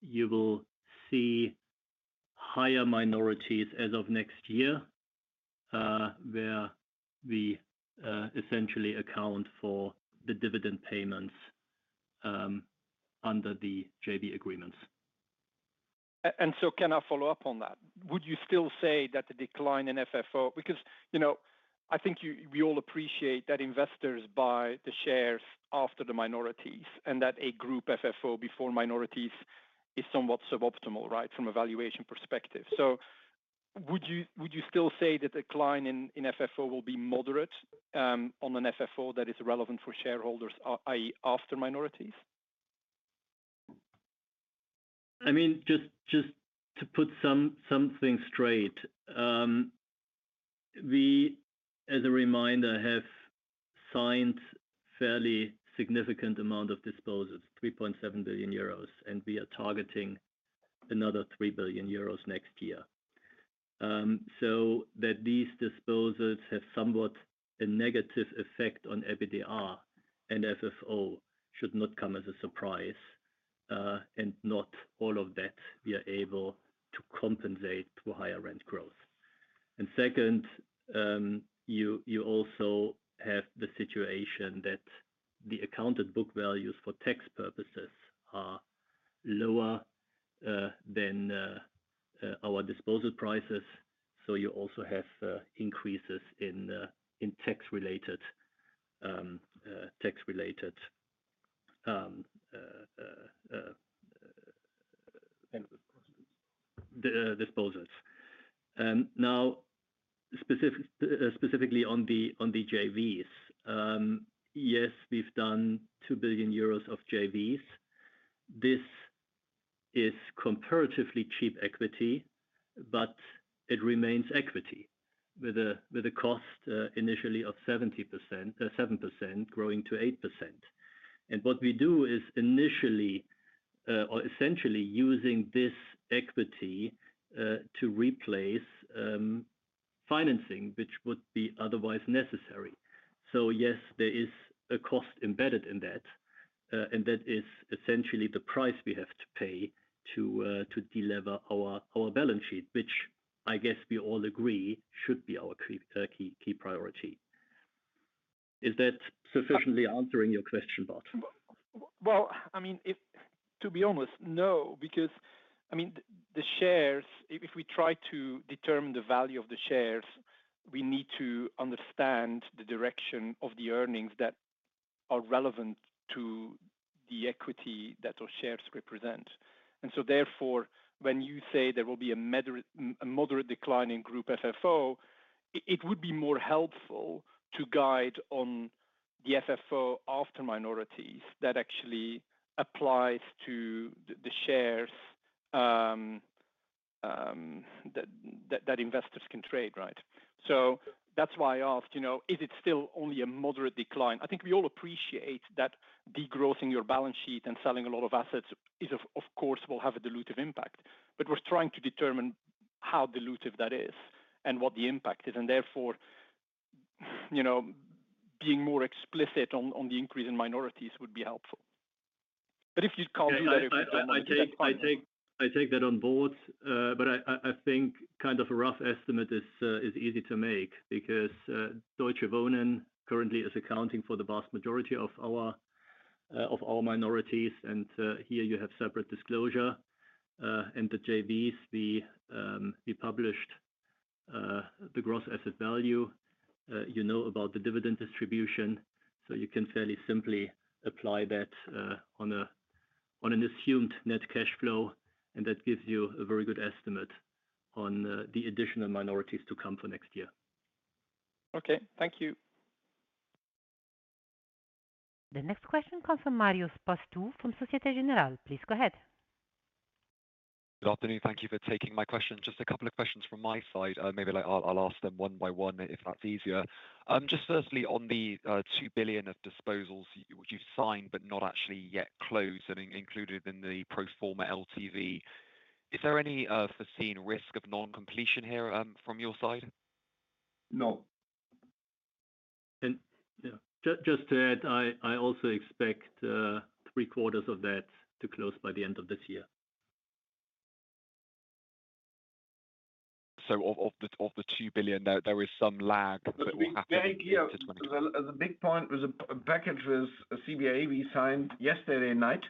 you will see higher minorities as of next year, where we essentially account for the dividend payments under the JV agreements. So can I follow up on that? Would you still say that the decline in FFO, because, you know, I think you, we all appreciate that investors buy the shares after the minorities, and that a group FFO before minorities is somewhat suboptimal, right? From a valuation perspective. So would you, would you still say that the decline in FFO will be moderate on an FFO that is relevant for shareholders, i.e., after minorities? I mean, just to put something straight, as a reminder, we have signed a fairly significant amount of disposals, 3.7 billion euros, and we are targeting another 3 billion euros next year. So that these disposals have somewhat a negative effect on EBITDA and FFO should not come as a surprise, and not all of that we are able to compensate through higher rent growth. And second, you also have the situation that the accounted book values for tax purposes are lower than our disposal prices. So you also have increases in tax-related disposals. Now, specifically on the JVs. Yes, we've done 2 billion euros of JVs. This is comparatively cheap equity, but it remains equity with a, with a cost initially of 70%... 7% growing to 8%. And what we do is initially or essentially using this equity to replace financing, which would be otherwise necessary. So yes, there is a cost embedded in that, and that is essentially the price we have to pay to delever our, our balance sheet, which I guess we all agree should be our key priority. Is that sufficiently answering your question, Bart? Well, I mean, if... To be honest, no, because, I mean, the shares, if we try to determine the value of the shares, we need to understand the direction of the earnings that are relevant to the equity that our shares represent. And so therefore, when you say there will be a moderate decline in Group FFO, it would be more helpful to guide on the FFO after minorities that actually applies to the shares that investors can trade, right? So that's why I asked, you know, is it still only a moderate decline? I think we all appreciate that degrowth in your balance sheet and selling a lot of assets is, of course, will have a dilutive impact, but we're trying to determine how dilutive that is and what the impact is, and therefore, you know, being more explicit on the increase in minorities would be helpful. But if you can't do that- I take that on board, but I think kind of a rough estimate is easy to make because Deutsche Wohnen currently is accounting for the vast majority of our of all minorities, and here you have separate disclosure. And the JVs, we published the gross asset value, you know about the dividend distribution, so you can fairly simply apply that on an assumed net cash flow, and that gives you a very good estimate on the additional minorities to come for next year. Okay. Thank you. The next question comes from Marios Pastou from Société Générale. Please go ahead. Good afternoon. Thank you for taking my question. Just a couple of questions from my side. Maybe like I'll, I'll ask them one by one, if that's easier. Just firstly, on the 2 billion of disposals which you've signed but not actually yet closed and included in the pro forma LTV, is there any foreseen risk of non-completion here, from your side? No. Yeah, just to add, I also expect three quarters of that to close by the end of this year. ... So of the 2 billion, there is some lag that will happen in 20?- The big point was a package was a CBRE we signed yesterday night,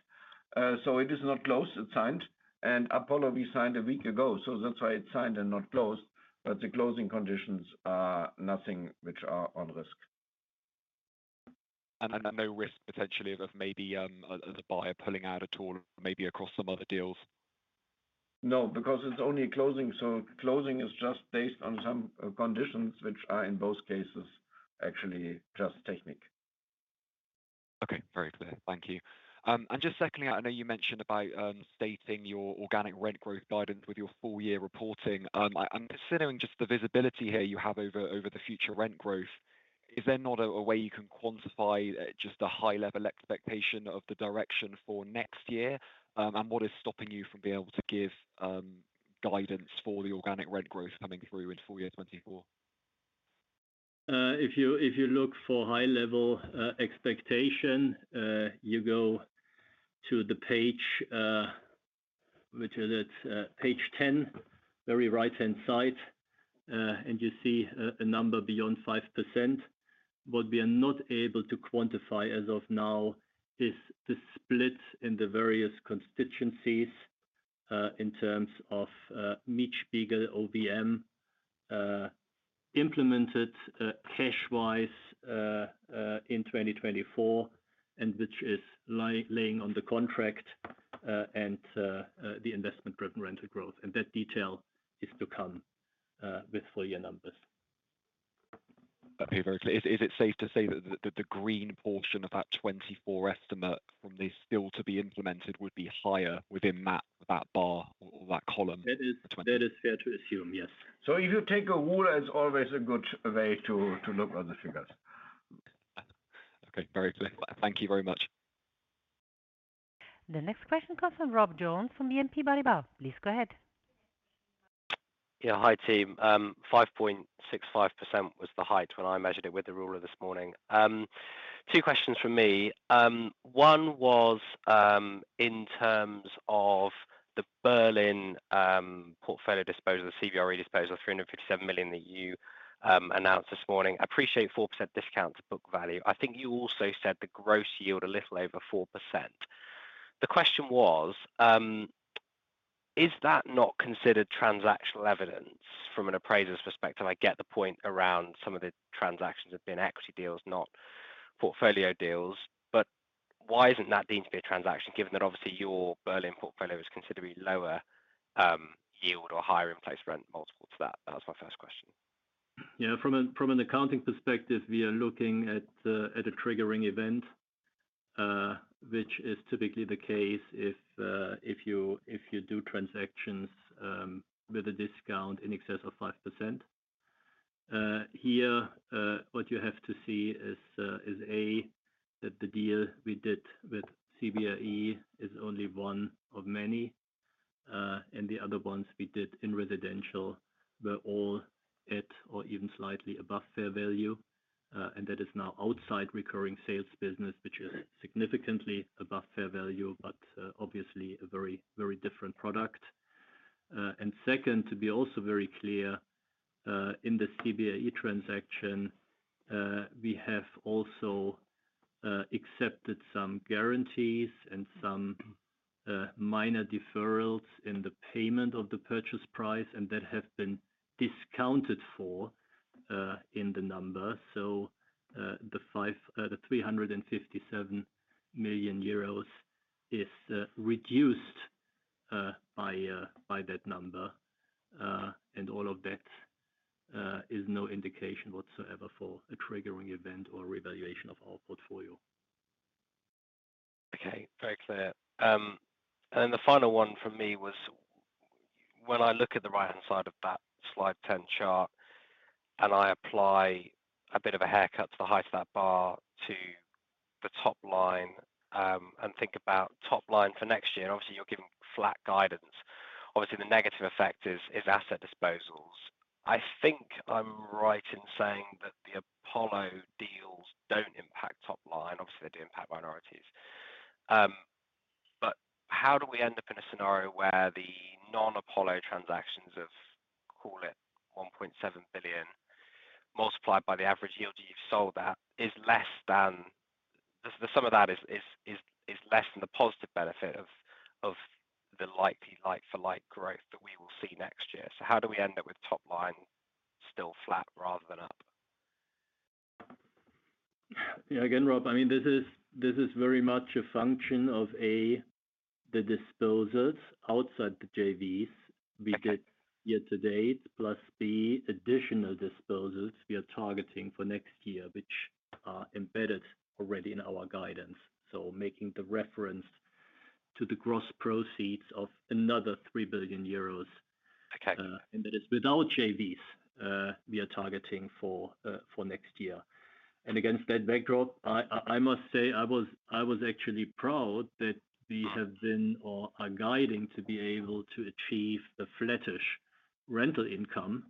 so it is not closed, it's signed. And Apollo, we signed a week ago, so that's why it's signed and not closed, but the closing conditions are nothing which are on risk. And no risk potentially of maybe of the buyer pulling out at all, maybe across some other deals? No, because it's only closing. So closing is just based on some conditions which are, in both cases, actually just technique. Okay, very clear. Thank you. And just secondly, I know you mentioned about stating your organic rent growth guidance with your full year reporting. And considering just the visibility here you have over the future rent growth, is there not a way you can quantify just a high level expectation of the direction for next year? And what is stopping you from being able to give guidance for the organic rent growth coming through in full year 2024? If you, if you look for high level expectation, you go to the page, which is at page 10, very right-hand side, and you see a, a number beyond 5%. What we are not able to quantify as of now is the split in the various constituencies in terms of Mietspiegel, OVM, implemented cash-wise in 2024, and which is lying on the contract, and the investment driven rental growth. And that detail is to come with full year numbers. Okay. Very clear. Is it safe to say that the green portion of that 24 estimate from the still to be implemented would be higher within that bar or that column? That is, that is fair to assume, yes. If you take a rule, as always, a good way to look at the figures. Okay, very clear. Thank you very much. The next question comes from Rob Jones from BNP Paribas. Please go ahead. Yeah. Hi, team. 5.65% was the height when I measured it with the ruler this morning. Two questions from me. One was, in terms of the Berlin portfolio disposal, the CBRE disposal, 357 million that you announced this morning. I appreciate 4% discount to book value. I think you also said the gross yield a little over 4%. The question was, is that not considered transactional evidence from an appraiser's perspective? I get the point around some of the transactions have been equity deals, not portfolio deals, but why isn't that deemed to be a transaction, given that obviously your Berlin portfolio is considerably lower yield or higher in place rent multiple to that? That was my first question. Yeah, from an accounting perspective, we are looking at a triggering event, which is typically the case if you do transactions with a discount in excess of 5%. Here, what you have to see is a, that the deal we did with CBRE is only one of many, and the other ones we did in residential were all at or even slightly above fair value. And that is now outside recurring sales business, which is significantly above fair value, but obviously a very, very different product. And second, to be also very clear, in the CBRE transaction, we have also accepted some guarantees and some minor deferrals in the payment of the purchase price, and that have been discounted for in the number. The 357 million EUR is reduced by that number. And all of that is no indication whatsoever for a triggering event or revaluation of our portfolio. Okay, very clear. And then the final one from me was when I look at the right-hand side of that slide 10 chart, and I apply a bit of a haircut to the height of that bar, to the top line, and think about top line for next year, and obviously, you're giving flat guidance. Obviously, the negative effect is asset disposals. I think I'm right in saying that the Apollo deals don't impact top line. Obviously, they do impact minorities. But how do we end up in a scenario where the non-Apollo transactions of, call it 1.7 billion, multiplied by the average yield you've sold at, is less than... The sum of that is less than the positive benefit of the likely like for like growth that we will see next year. How do we end up with top line still flat rather than up? Yeah, again, Rob, I mean, this is, this is very much a function of, A, the disposals outside the JVs we did year to date, plus B, additional disposals we are targeting for next year, which are embedded already in our guidance. So making the reference to the gross proceeds of another 3 billion euros. Okay. And that is without JVs, we are targeting for next year. Against that backdrop, I must say I was actually proud that we have been or are guiding to be able to achieve the flattish rental income,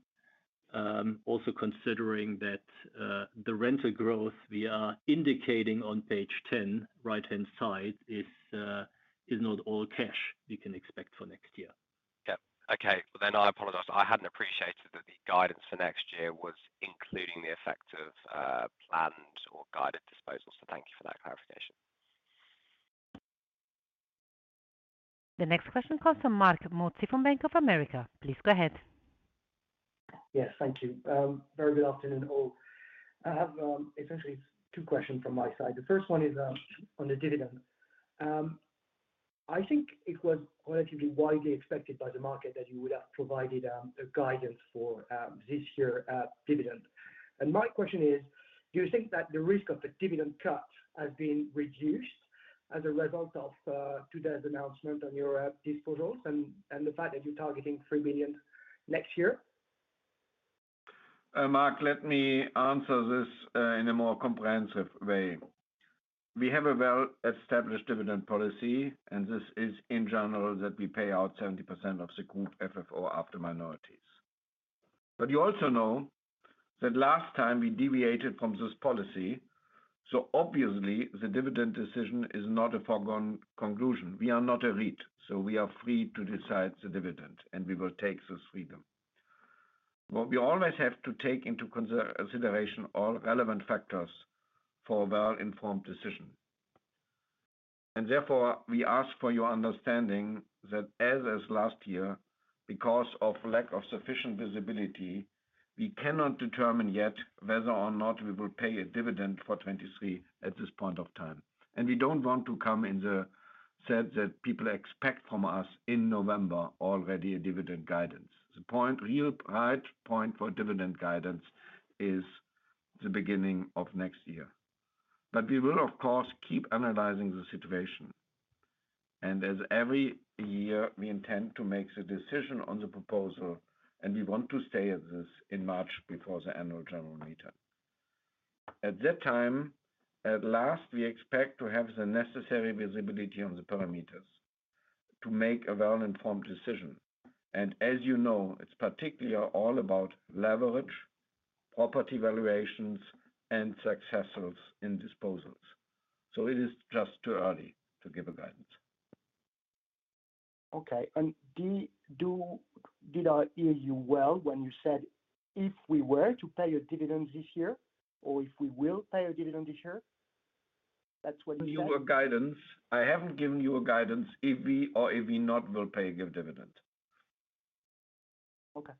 also considering that the rental growth we are indicating on page 10, right-hand side, is not all cash we can expect for next year. Yep. Okay, well, then I apologize. I hadn't appreciated that the guidance for next year was including the effect of planned or guided disposals, so thank you for that clarification. The next question comes from Marc Mozzi from Bank of America. Please go ahead. Yes, thank you. Very good afternoon, all. I have, essentially two questions from my side. The first one is, on the dividend. I think it was relatively widely expected by the market that you would have provided, a guidance for, this year, dividend. And my question is: do you think that the risk of a dividend cut has been reduced as a result of, today's announcement on your, disposals and, and the fact that you're targeting 3 billion next year? Mark, let me answer this in a more comprehensive way. We have a well-established dividend policy, and this is in general, that we pay out 70% of the Group FFO after minorities. But you also know that last time we deviated from this policy, so obviously the dividend decision is not a foregone conclusion. We are not a REIT, so we are free to decide the dividend, and we will take this freedom. What we always have to take into consideration, all relevant factors for a well-informed decision. And therefore, we ask for your understanding that as is last year, because of lack of sufficient visibility, we cannot determine yet whether or not we will pay a dividend for 2023 at this point of time. And we don't want to come in the sense that people expect from us in November, already a dividend guidance. The real right point for dividend guidance is the beginning of next year. But we will, of course, keep analyzing the situation, and as every year, we intend to make the decision on the proposal, and we want to state this in March before the annual general meeting. At that time, at least, we expect to have the necessary visibility on the parameters to make a well-informed decision. And as you know, it's particularly all about leverage, property valuations, and successes in disposals. So it is just too early to give guidance. Okay. And did I hear you well when you said, "If we were to pay a dividend this year," or, "If we will pay a dividend this year?" That's what you said? Give you a guidance. I haven't given you a guidance if we or if we not will pay a dividend. Okay.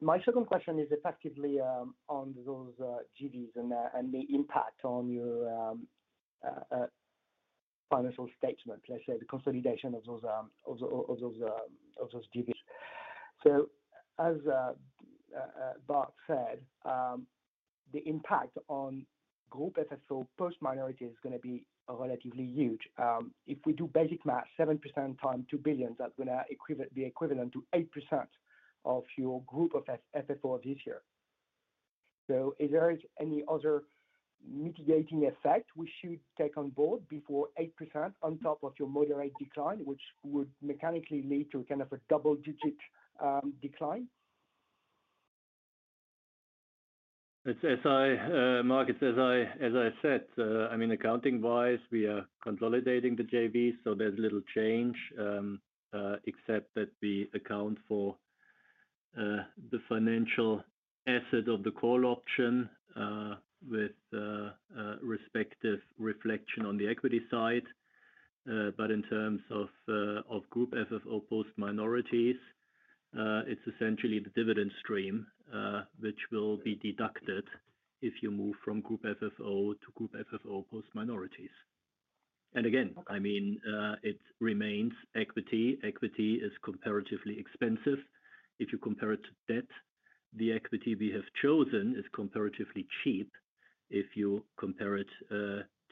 My second question is effectively on those JVs and the impact on your financial statement, let's say the consolidation of those JVs. So as Bart said, the impact on Group FFO post minority is gonna be relatively huge. If we do basic math, 7% times 2 billion, that's gonna be equivalent to 8% of your Group FFO this year. So is there any other mitigating effect we should take on board before 8% on top of your moderate decline, which would mechanically lead to kind of a double-digit decline? As I, Mark, as I said, I mean, accounting-wise, we are consolidating the JV, so there's little change, except that we account for the financial asset of the call option with respective reflection on the equity side. But in terms of Group FFO post minorities, it's essentially the dividend stream, which will be deducted if you move from Group FFO to Group FFO post minorities. And again, I mean, it remains equity. Equity is comparatively expensive. If you compare it to debt, the equity we have chosen is comparatively cheap if you compare it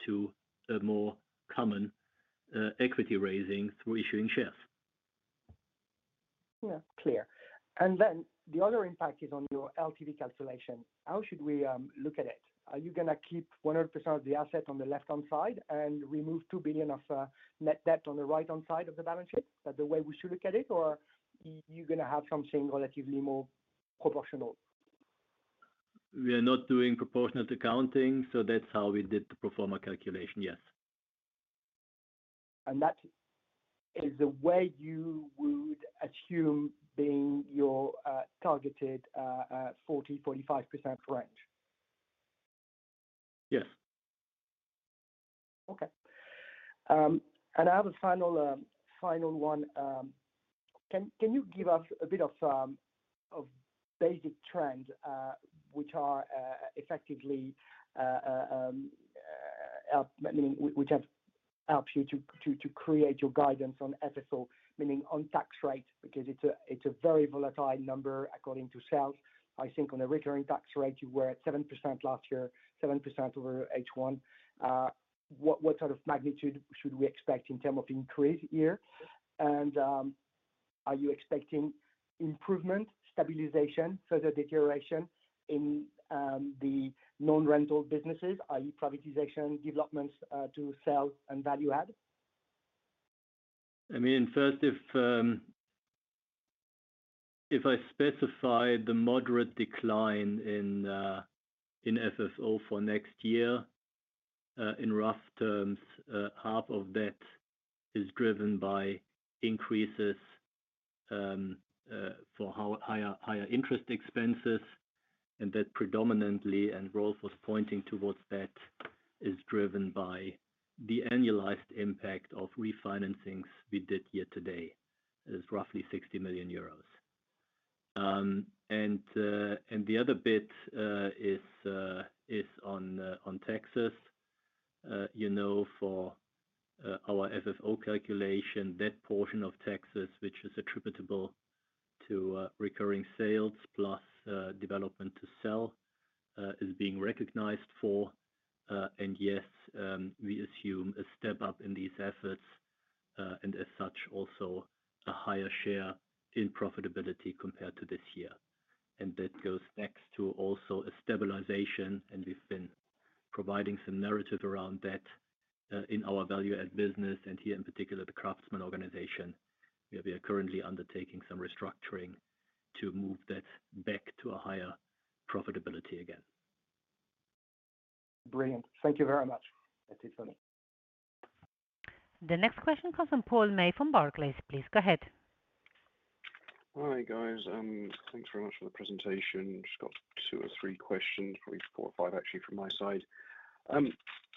to a more common equity raising through issuing shares. Yeah, clear. And then the other impact is on your LTV calculation. How should we look at it? Are you gonna keep 100% of the asset on the left-hand side and remove 2 billion of net debt on the right-hand side of the balance sheet? Is that the way we should look at it, or you're gonna have something relatively more proportional? We are not doing proportionate accounting, so that's how we did the pro forma calculation, yes. That is the way you would assume being your targeted 40-45% range? Yes. Okay. And I have a final one. Can you give us a bit of basic trends which are effectively, I mean, which have helped you to create your guidance on FFO, meaning on tax rate? Because it's a very volatile number according to sales. I think on a recurring tax rate, you were at 7% last year, 7% over H1. What sort of magnitude should we expect in terms of increase here? And are you expecting improvement, stabilization, further deterioration in the non-rental businesses, i.e., privatization, developments to sell and value-add?... I mean, first, if I specify the moderate decline in FFO for next year, in rough terms, half of that is driven by increases for how higher, higher interest expenses, and that predominantly, and Rolf was pointing towards that, is driven by the annualized impact of refinancings we did year-to-date. It is roughly EUR 60 million. And the other bit is on taxes. You know, for our FFO calculation, that portion of taxes, which is attributable to recurring sales plus development to sell, is being recognized for. And yes, we assume a step up in these efforts, and as such, also a higher share in profitability compared to this year. And that goes back to also a stabilization, and we've been providing some narrative around that, in our value add business, and here in particular, the craftsman organization, where we are currently undertaking some restructuring to move that back to a higher profitability again. Brilliant. Thank you very much. That's it for me. The next question comes from Paul May from Barclays. Please go ahead. Hi, guys. Thanks very much for the presentation. Just got two or three questions, probably four or five, actually, from my side.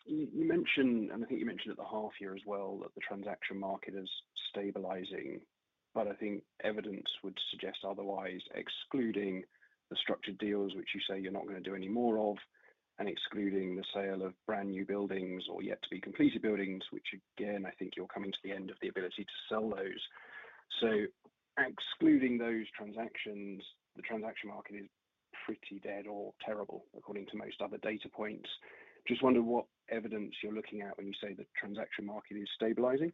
You mentioned, and I think you mentioned at the half year as well, that the transaction market is stabilizing, but I think evidence would suggest otherwise, excluding the structured deals, which you say you're not going to do any more of, and excluding the sale of brand new buildings or yet to be completed buildings, which again, I think you're coming to the end of the ability to sell those. So excluding those transactions, the transaction market is pretty dead or terrible, according to most other data points. Just wonder what evidence you're looking at when you say the transaction market is stabilizing?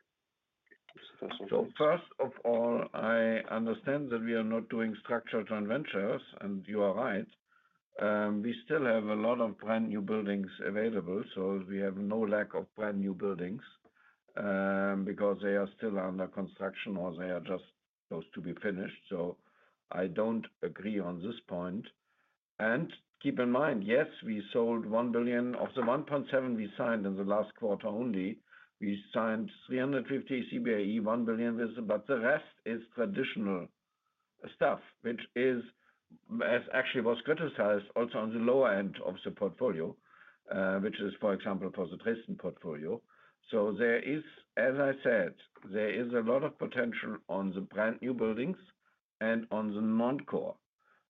That's the first one. So first of all, I understand that we are not doing structural joint ventures, and you are right. We still have a lot of brand-new buildings available, so we have no lack of brand-new buildings, because they are still under construction or they are just close to be finished. So I don't agree on this point. And keep in mind, yes, we sold 1 billion. Of the 1.7 we signed in the last quarter only, we signed 350 CBRE, 1 billion, but the rest is traditional stuff, which is. As actually was criticized also on the lower end of the portfolio, which is, for example, for the Dresden portfolio. So there is, as I said, there is a lot of potential on the brand-new buildings and on the non-core,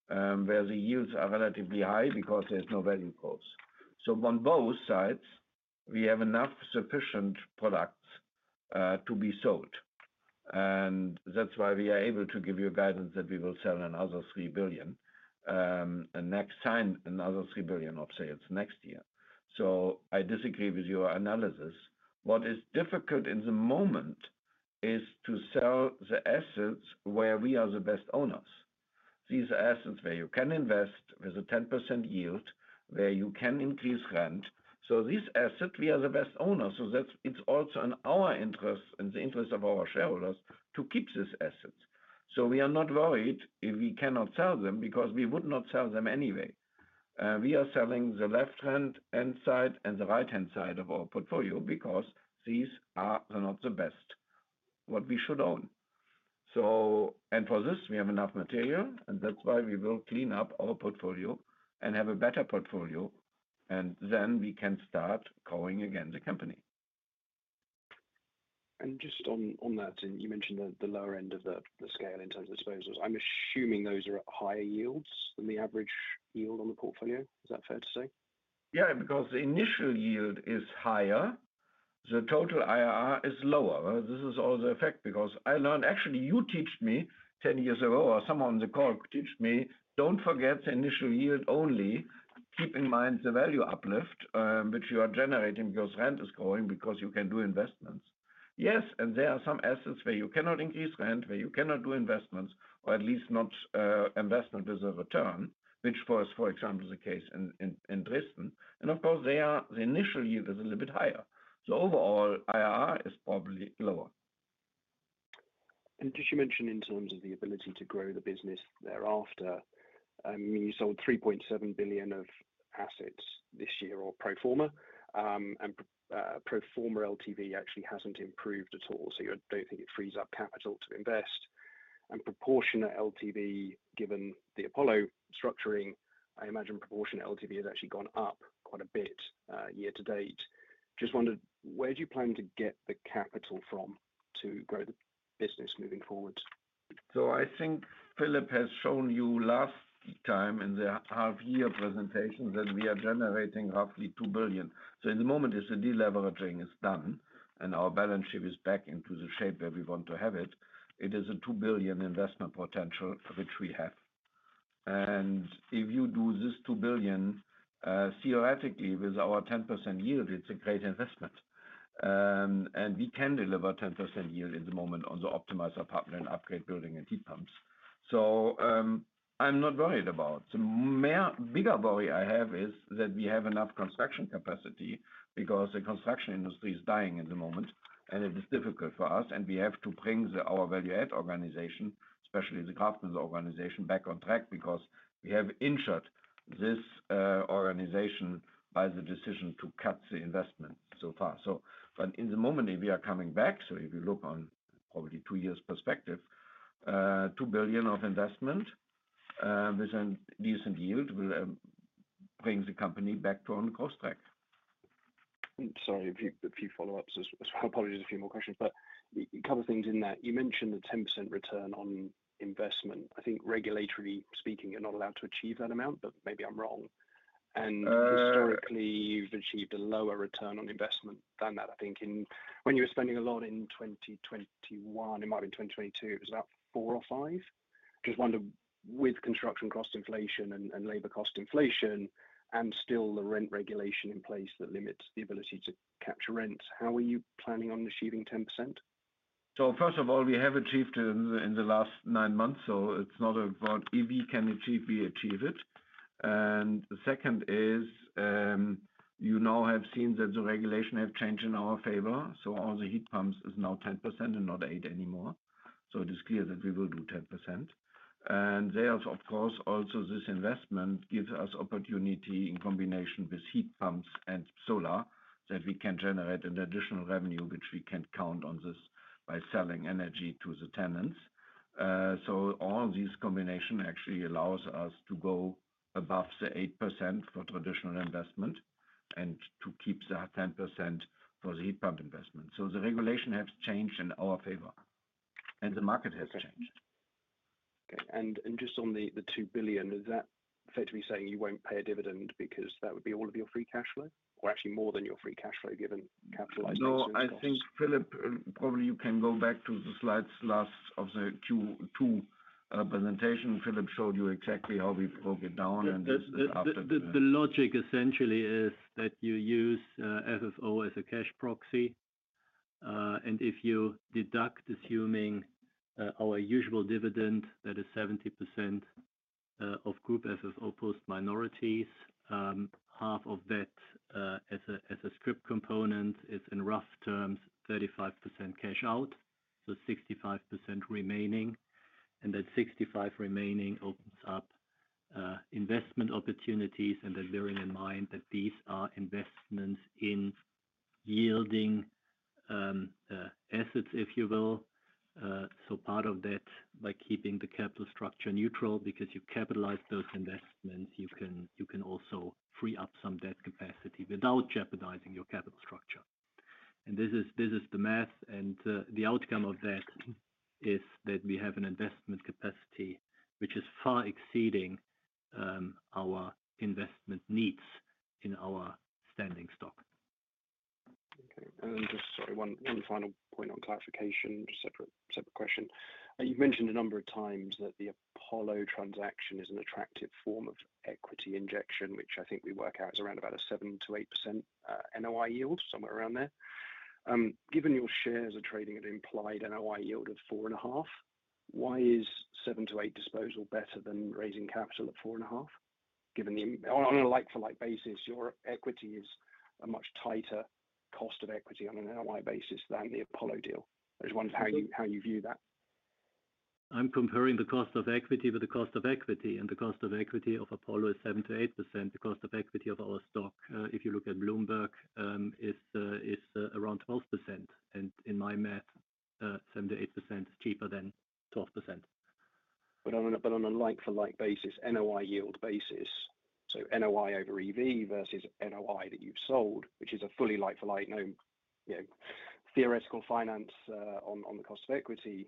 where the yields are relatively high because there's no value costs. So on both sides, we have enough sufficient products to be sold, and that's why we are able to give you a guidance that we will sell another 3 billion and next sign another 3 billion of sales next year. So I disagree with your analysis. What is difficult in the moment is to sell the assets where we are the best owners. These are assets where you can invest with a 10% yield, where you can increase rent. So this asset, we are the best owner, so it's also in our interest and the interest of our shareholders to keep this asset. So we are not worried if we cannot sell them, because we would not sell them anyway. We are selling the left-hand inside and the right-hand side of our portfolio because these are not the best, what we should own. So, and for this, we have enough material, and that's why we will clean up our portfolio and have a better portfolio, and then we can start growing again, the company. And just on that, you mentioned the lower end of the scale in terms of disposals. I'm assuming those are at higher yields than the average yield on the portfolio. Is that fair to say? Yeah, because the initial yield is higher, the total IRR is lower. This is all the effect, because I learned... Actually, you taught me 10 years ago, or someone on the call taught me, "Don't forget the initial yield only. Keep in mind the value uplift, which you are generating, because rent is growing, because you can do investments." Yes, and there are some assets where you cannot increase rent, where you cannot do investments, or at least not investment as a return, which for us, for example, is the case in Dresden. And of course, they are, the initial yield is a little bit higher. So overall, IRR is probably lower. Just you mentioned in terms of the ability to grow the business thereafter. I mean, you sold 3.7 billion of assets this year or pro forma, and pro forma LTV actually hasn't improved at all, so you don't think it frees up capital to invest. Proportionate LTV, given the Apollo structuring, I imagine proportionate LTV has actually gone up quite a bit year to date. Just wondered, where do you plan to get the capital from to grow the business moving forward? So I think Philip has shown you last time in the half year presentation, that we are generating roughly 2 billion. So in the moment, as the deleveraging is done and our balance sheet is back into the shape that we want to have it, it is a 2 billion investment potential which we have. And if you do this 2 billion, theoretically, with our 10% yield, it's a great investment. And we can deliver 10% yield at the moment on the optimized apartment and upgrade building and heat pumps.... So, I'm not worried about. The bigger worry I have is that we have enough construction capacity, because the construction industry is dying at the moment, and it is difficult for us, and we have to bring the, our value add organization, especially the craftsman organization, back on track, because we have injured this organization by the decision to cut the investment so far. So but in the moment, we are coming back, so if you look on probably two years perspective, 2 billion of investment, with a decent yield will bring the company back to on course track. Sorry, a few follow-ups. I apologize, a few more questions, but a couple things in that. You mentioned the 10% return on investment. I think regulatory speaking, you're not allowed to achieve that amount, but maybe I'm wrong. Uh- Historically, you've achieved a lower return on investment than that. I think in, when you were spending a lot in 2021, it might have been 2022, it was about four or five. Just wonder, with construction cost inflation and labor cost inflation, and still the rent regulation in place that limits the ability to capture rents, how are you planning on achieving 10%? So first of all, we have achieved in the last nine months, so it's not about if we can achieve, we achieve it. And the second is, you now have seen that the regulation have changed in our favor, so all the heat pumps is now 10% and not 8% anymore. So it is clear that we will do 10%. And there's, of course, also this investment gives us opportunity in combination with heat pumps and solar, that we can generate an additional revenue, which we can count on this by selling energy to the tenants. So all these combination actually allows us to go above the 8% for traditional investment and to keep the 10% for the heat pump investment. So the regulation has changed in our favor, and the market has changed. Okay. Just on the 2 billion, is that fair to be saying you won't pay a dividend because that would be all of your free cash flow, or actually more than your free cash flow given capitalized? No, I think Philip, probably you can go back to the slides, last of the two, two, presentation. Philip showed you exactly how we broke it down and after- The logic essentially is that you use FFO as a cash proxy. And if you deduct, assuming our usual dividend, that is 70% of Group FFO post minorities, half of that as a script component is, in rough terms, 35% cash out, so 65% remaining. And that 65% remaining opens up investment opportunities, and then bearing in mind that these are investments in yielding assets, if you will. So part of that, by keeping the capital structure neutral, because you capitalize those investments, you can also free up some debt capacity without jeopardizing your capital structure. And this is the math, and the outcome of that is that we have an investment capacity which is far exceeding our investment needs in our standing stock. Okay. And then just, sorry, one, one final point on clarification, just separate, separate question. You've mentioned a number of times that the Apollo transaction is an attractive form of equity injection, which I think we work out is around about a 7%-8% NOI yield, somewhere around there. Given your shares are trading at implied NOI yield of 4.5%, why is 7%-8% disposal better than raising capital at 4.5%? Given the, on a, on a like-for-like basis, your equity is a much tighter cost of equity on an NOI basis than the Apollo deal. I just wondered how you- So-... how you view that. I'm comparing the cost of equity with the cost of equity, and the cost of equity of Apollo is 7%-8%. The cost of equity of our stock, if you look at Bloomberg, is around 12%, and in my math, 7%-8% is cheaper than 12%. But on a like-for-like basis, NOI yield basis, so NOI over EV versus NOI that you've sold, which is a fully like-for-like, no, you know, theoretical finance, on the cost of equity.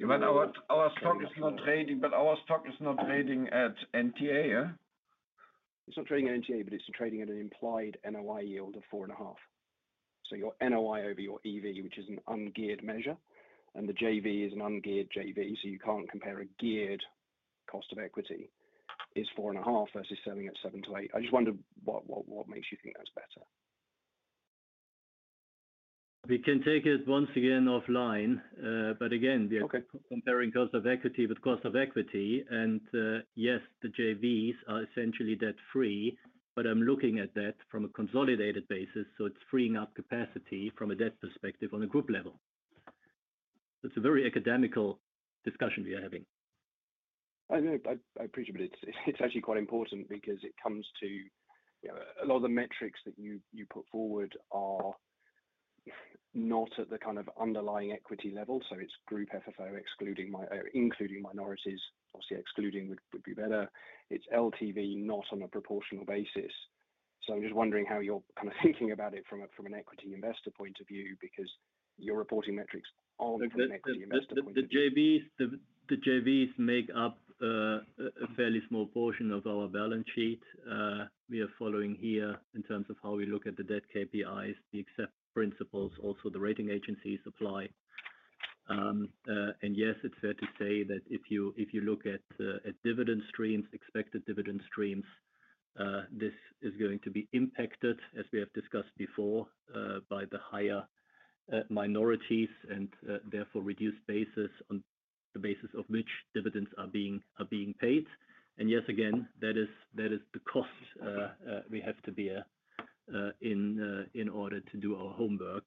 But our stock is not trading at NTA, yeah? It's not trading at NTA, but it's trading at an implied NOI yield of 4.5. So your NOI over your EV, which is an ungeared measure, and the JV is an ungeared JV, so you can't compare a geared cost of equity, is 4.5 versus selling at 7-8. I just wondered what makes you think that's better? We can take it once again offline, but again- Okay... we are comparing cost of equity with cost of equity, and, yes, the JVs are essentially debt-free, but I'm looking at that from a consolidated basis, so it's freeing up capacity from a debt perspective on a group level. It's a very academic discussion we are having. I know. I appreciate, but it's actually quite important because it comes to, you know, a lot of the metrics that you put forward are not at the kind of underlying equity level, so it's Group FFO excluding, including minorities, obviously excluding would be better. It's LTV, not on a proportional basis. So I'm just wondering how you're kind of thinking about it from an equity investor point of view, because your reporting metrics are from an equity investor point of view. The JVs make up a fairly small portion of our balance sheet. We are following here in terms of how we look at the debt KPIs, the ESG principles, also the rating agencies apply. And yes, it's fair to say that if you look at dividend streams, expected dividend streams, this is going to be impacted, as we have discussed before, by the higher minorities and therefore, reduced basis on the basis of which dividends are being paid. And yes, again, that is the cost we have to bear in order to do our homework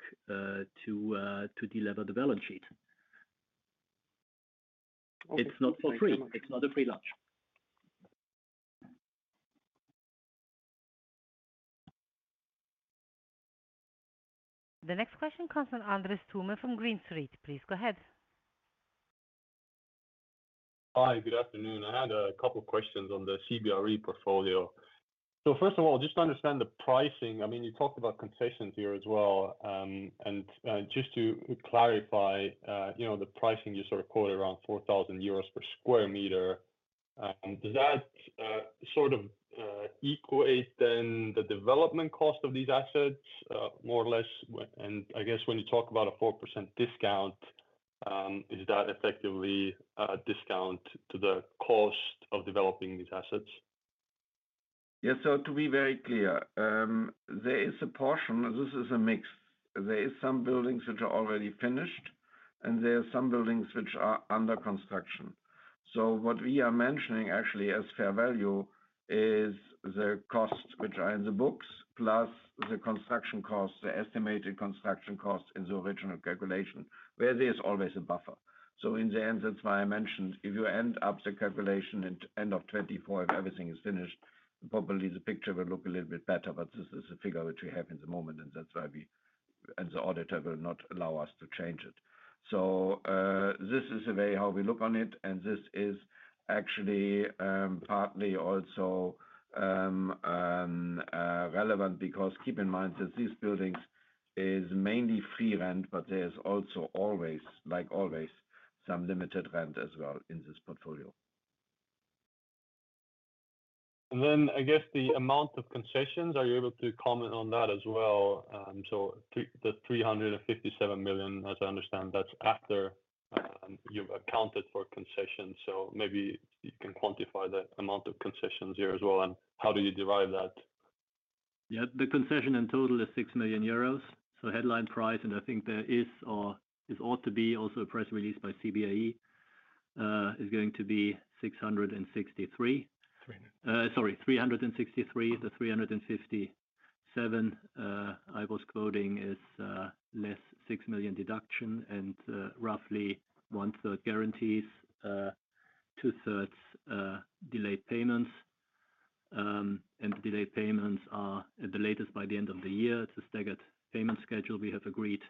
to delever the balance sheet. It's not for free. It's not a free lunch. The next question comes from Andres Toome from Green Street. Please go ahead. Hi, good afternoon. I had a couple questions on the CBRE portfolio. So first of all, just to understand the pricing, I mean, you talked about concessions here as well. And, just to clarify, you know, the pricing, you sort of quoted around 4,000 euros per square meter. Does that, sort of, equate then the development cost of these assets, more or less? And I guess when you talk about a 4% discount, is that effectively a discount to the cost of developing these assets? Yeah. So to be very clear, there is a portion... This is a mix. There is some buildings which are already finished, and there are some buildings which are under construction. So what we are mentioning actually as fair value is the costs which are in the books, plus the construction costs, the estimated construction costs in the original calculation, where there is always a buffer. So in the end, that's why I mentioned, if you end up the calculation at end of 2024, if everything is finished, probably the picture will look a little bit better. But this is the figure which we have at the moment, and that's why we, and the auditor will not allow us to change it. So, this is the way how we look on it, and this is actually partly also relevant, because keep in mind that these buildings is mainly free rent, but there's also always, like always some limited rent as well in this portfolio. And then, I guess the amount of concessions, are you able to comment on that as well? So the 357 million, as I understand, that's after you've accounted for concessions, so maybe you can quantify the amount of concessions here as well, and how do you derive that? Yeah. The concession in total is 6 million euros. So headline price, and I think there is, or it ought to be also a press release by CBRE, is going to be 663 million. Three. Sorry, 363. The 357 I was quoting is less 6 million deduction and roughly one-third guarantees, two-thirds delayed payments. The delayed payments are at the latest by the end of the year. It's a staggered payment schedule we have agreed,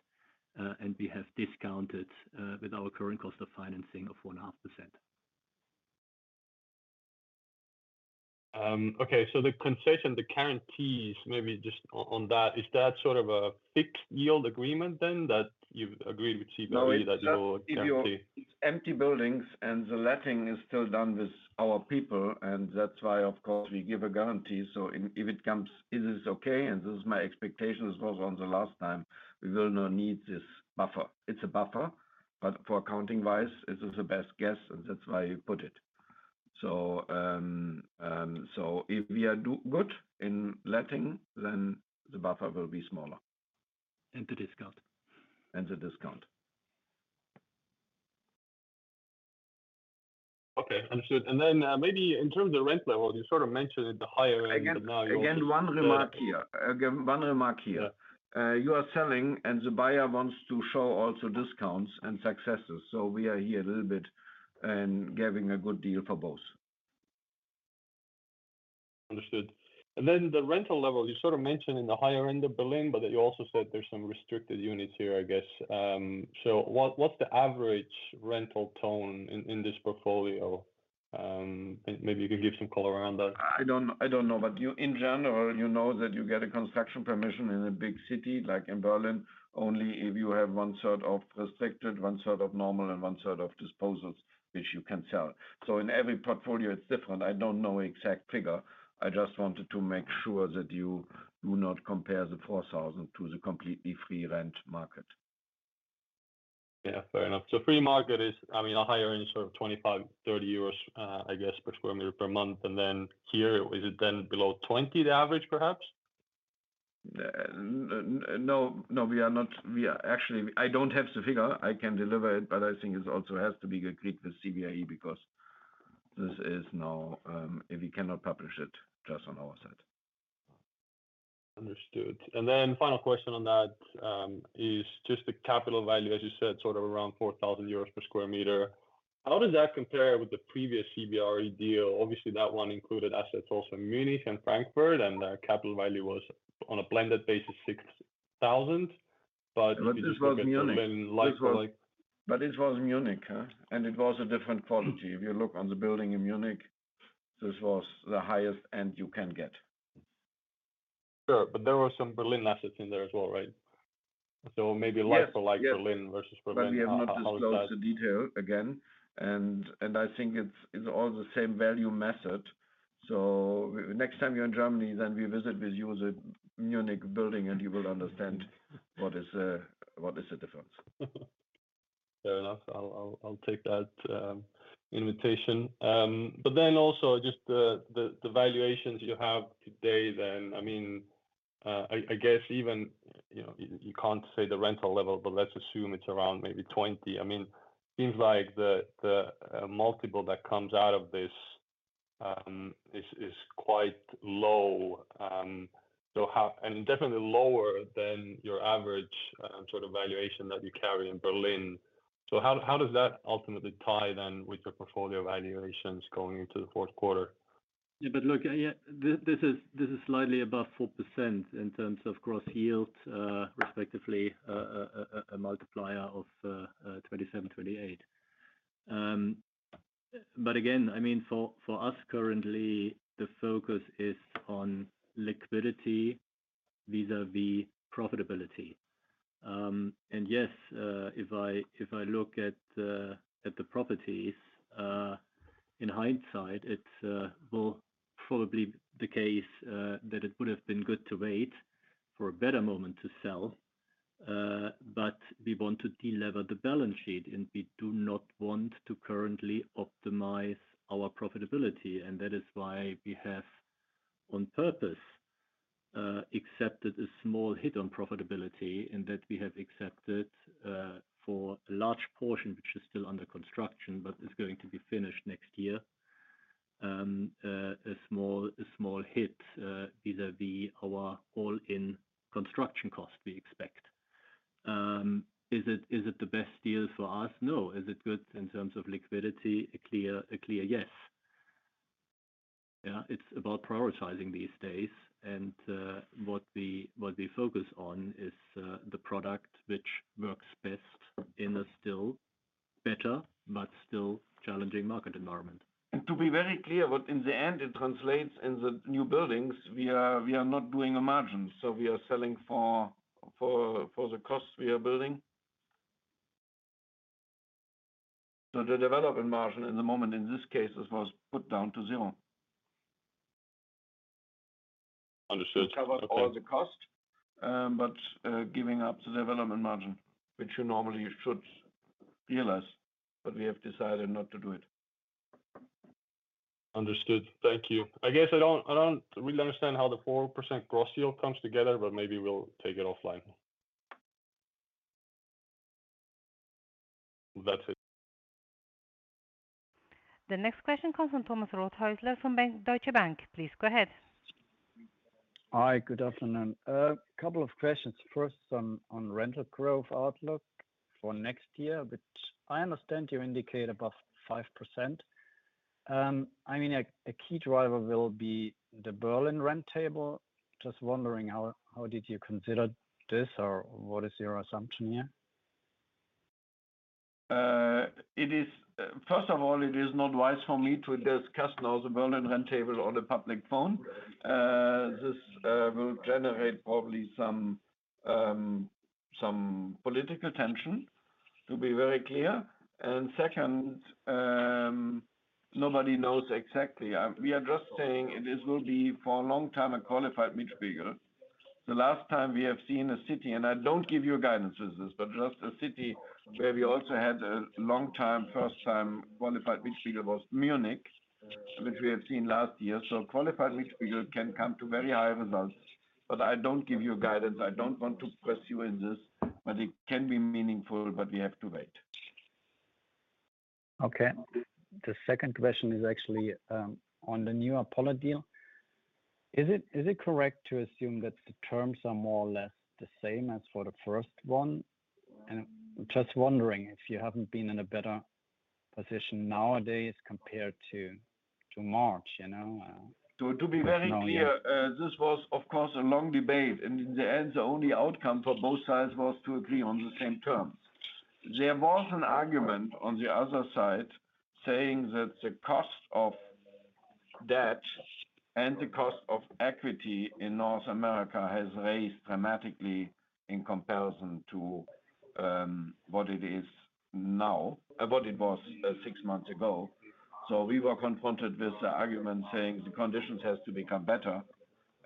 and we have discounted with our current cost of financing of 1.5%. Okay. So the concession, the guarantees, maybe just on that, is that sort of a fixed yield agreement then, that you've agreed with CBRE, that you will guarantee- No, if you... It's empty buildings, and the letting is still done with our people, and that's why, of course, we give a guarantee. So if, if it comes, it is okay, and this is my expectation as well as on the last time, we will not need this buffer. It's a buffer, but for accounting-wise, this is the best guess, and that's why you put it. So, so if we do good in letting, then the buffer will be smaller. And the discount. The discount. Okay, understood. And then, maybe in terms of rent level, you sort of mentioned at the higher end, but now you- Again, one remark here. Again, one remark here. Yeah. You are selling, and the buyer wants to show also discounts and successes. So we are here a little bit, giving a good deal for both. Understood. Then the rental level, you sort of mentioned in the higher end of Berlin, but then you also said there's some restricted units here, I guess. So, what's the average rental tone in this portfolio? Maybe you could give some color around that? I don't know, but you, in general, you know that you get a construction permission in a big city, like in Berlin, only if you have one third of restricted, one third of normal, and one third of disposals which you can sell. So in every portfolio, it's different. I don't know exact figure. I just wanted to make sure that you do not compare the 4,000 to the completely free rent market. Yeah, fair enough. So free market is, I mean, a higher end, sort of 25-30 euros, I guess, per sq m per month. And then here, is it then below 20, the average, perhaps? No, no. Actually, I don't have the figure. I can deliver it, but I think it also has to be agreed with CBRE, because this is now, we cannot publish it just on our side. Understood. And then final question on that, is just the capital value, as you said, sort of around 4,000 euros per sq m. How does that compare with the previous CBRE deal? Obviously, that one included assets also in Munich and Frankfurt, and the capital value was on a blended basis, 6,000. But- This was Munich.... then like for like- But this was Munich, huh? And it was a different quality. Mm-hmm. If you look on the building in Munich, this was the highest end you can get. Sure, but there were some Berlin assets in there as well, right? So maybe Yes, yes... for like Berlin versus Berlin, how, how is that? But we have not disclosed the detail again, and I think it's all the same value method. So next time you're in Germany, then we visit with you the Munich building, and you will understand what is the difference.... Fair enough. I'll take that invitation. But then also just the valuations you have today then, I mean, I guess even, you know, you can't say the rental level, but let's assume it's around maybe 20. I mean, seems like the multiple that comes out of this is quite low and definitely lower than your average sort of valuation that you carry in Berlin. So how does that ultimately tie then with your portfolio valuations going into the fourth quarter? Yeah, but look, yeah, this is, this is slightly above 4% in terms of gross yields, respectively, a multiplier of 27-28. But again, I mean, for us, currently, the focus is on liquidity vis-à-vis profitability. And yes, if I look at the properties in hindsight, it's well, probably the case that it would have been good to wait for a better moment to sell. But we want to delever the balance sheet, and we do not want to currently optimize our profitability, and that is why we have, on purpose, accepted a small hit on profitability, and that we have accepted for a large portion, which is still under construction, but is going to be finished next year. A small hit vis-à-vis our all-in construction cost, we expect. Is it the best deal for us? No. Is it good in terms of liquidity? A clear yes. Yeah, it's about prioritizing these days, and what we focus on is the product, which works best in a still better but still challenging market environment. And to be very clear, but in the end, it translates in the new buildings, we are not doing a margin, so we are selling for the cost we are building. So the development margin at the moment in this case was put down to zero. Understood. Okay. Cover all the cost, but giving up the development margin, which you normally you should realize, but we have decided not to do it. Understood. Thank you. I guess I don't, I don't really understand how the 4% gross yield comes together, but maybe we'll take it offline. That's it. The next question comes from Thomas Rothaeusler from Deutsche Bank. Please go ahead. Hi, good afternoon. A couple of questions. First, on rental growth outlook for next year, which I understand you indicate above 5%. I mean, a key driver will be the Berlin rent table. Just wondering, how did you consider this, or what is your assumption here? First of all, it is not wise for me to discuss now the Berlin rent table on a public phone. This will generate probably some political tension, to be very clear. And second, nobody knows exactly. We are just saying this will be, for a long time, a qualified Mietspiegel. The last time we have seen a city, and I don't give you a guidance with this, but just a city where we also had a long time, first time, qualified Mietspiegel was Munich, which we have seen last year. So qualified Mietspiegel can come to very high results, but I don't give you guidance. I don't want to press you in this, but it can be meaningful, but we have to wait. Okay. The second question is actually on the new Apollo deal. Is it correct to assume that the terms are more or less the same as for the first one? And I'm just wondering if you haven't been in a better position nowadays compared to March, you know? To be very clear, this was, of course, a long debate, and in the end, the only outcome for both sides was to agree on the same terms. There was an argument on the other side, saying that the cost of debt and the cost of equity in North America has raised dramatically in comparison to what it is now, what it was six months ago. So we were confronted with an argument saying the conditions has to become better,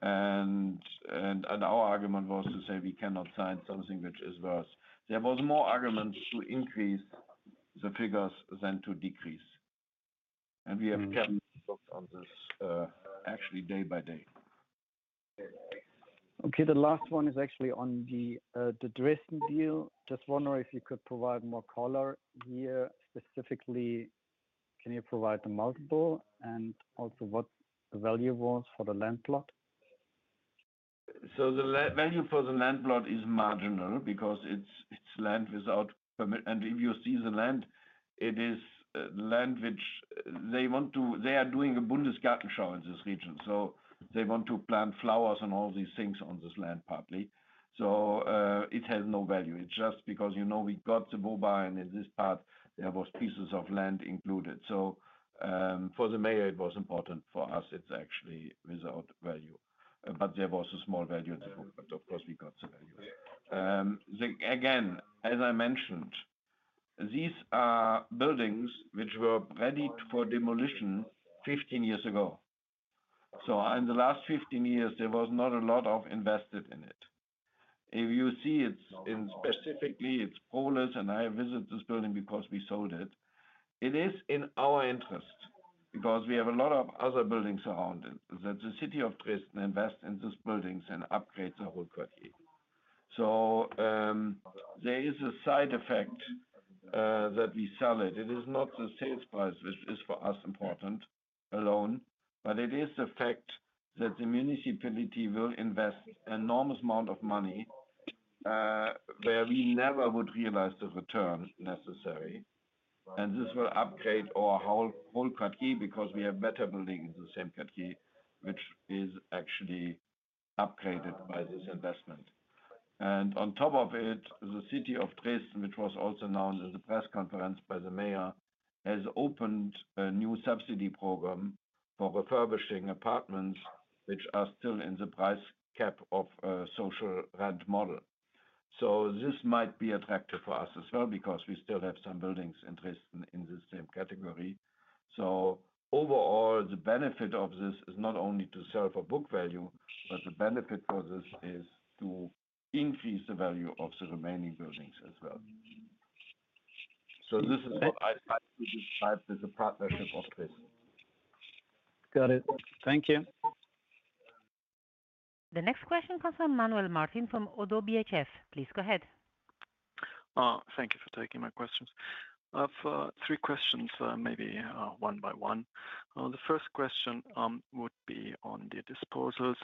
and our argument was to say, we cannot sign something which is worse. There was more arguments to increase the figures than to decrease, and we have kept on this, actually day by day. Okay, the last one is actually on the, the Dresden deal. Just wondering if you could provide more color here. Specifically, can you provide the multiple and also what the value was for the land plot? So the land value for the land plot is marginal because it's land without permit. And if you see the land, it is land which they want to... They are doing a Bundesgartenschau in this region, so they want to plant flowers and all these things on this land, partly. So it has no value. It's just because, you know, we got the WOBA, and in this part, there was pieces of land included. So for the mayor, it was important. For us, it's actually without value, but there was a small value, but of course, we got the value. Again, as I mentioned, these are buildings which were ready for demolition 15 years ago.... So in the last 15 years, there was not a lot of invested in it. If you see it in specifically, it's owners, and I visit this building because we sold it. It is in our interest, because we have a lot of other buildings around it, that the City of Dresden invest in these buildings and upgrade the whole category. So, there is a side effect, that we sell it. It is not the sales price, which is for us important alone, but it is the fact that the municipality will invest enormous amount of money, where we never would realize the return necessary. And this will upgrade our whole, whole category because we have better buildings in the same category, which is actually upgraded by this investment. On top of it, the City of Dresden, which was also announced at the press conference by the mayor, has opened a new subsidy program for refurbishing apartments, which are still in the price cap of a social rent model. This might be attractive for us as well, because we still have some buildings in Dresden in the same category. Overall, the benefit of this is not only to sell for book value, but the benefit for this is to increase the value of the remaining buildings as well. This is what I try to describe as a partnership of this. Got it. Thank you. The next question comes from Manuel Martin from ODDO BHF. Please go ahead. Thank you for taking my questions. I've three questions, maybe one by one. The first question would be on the disposals.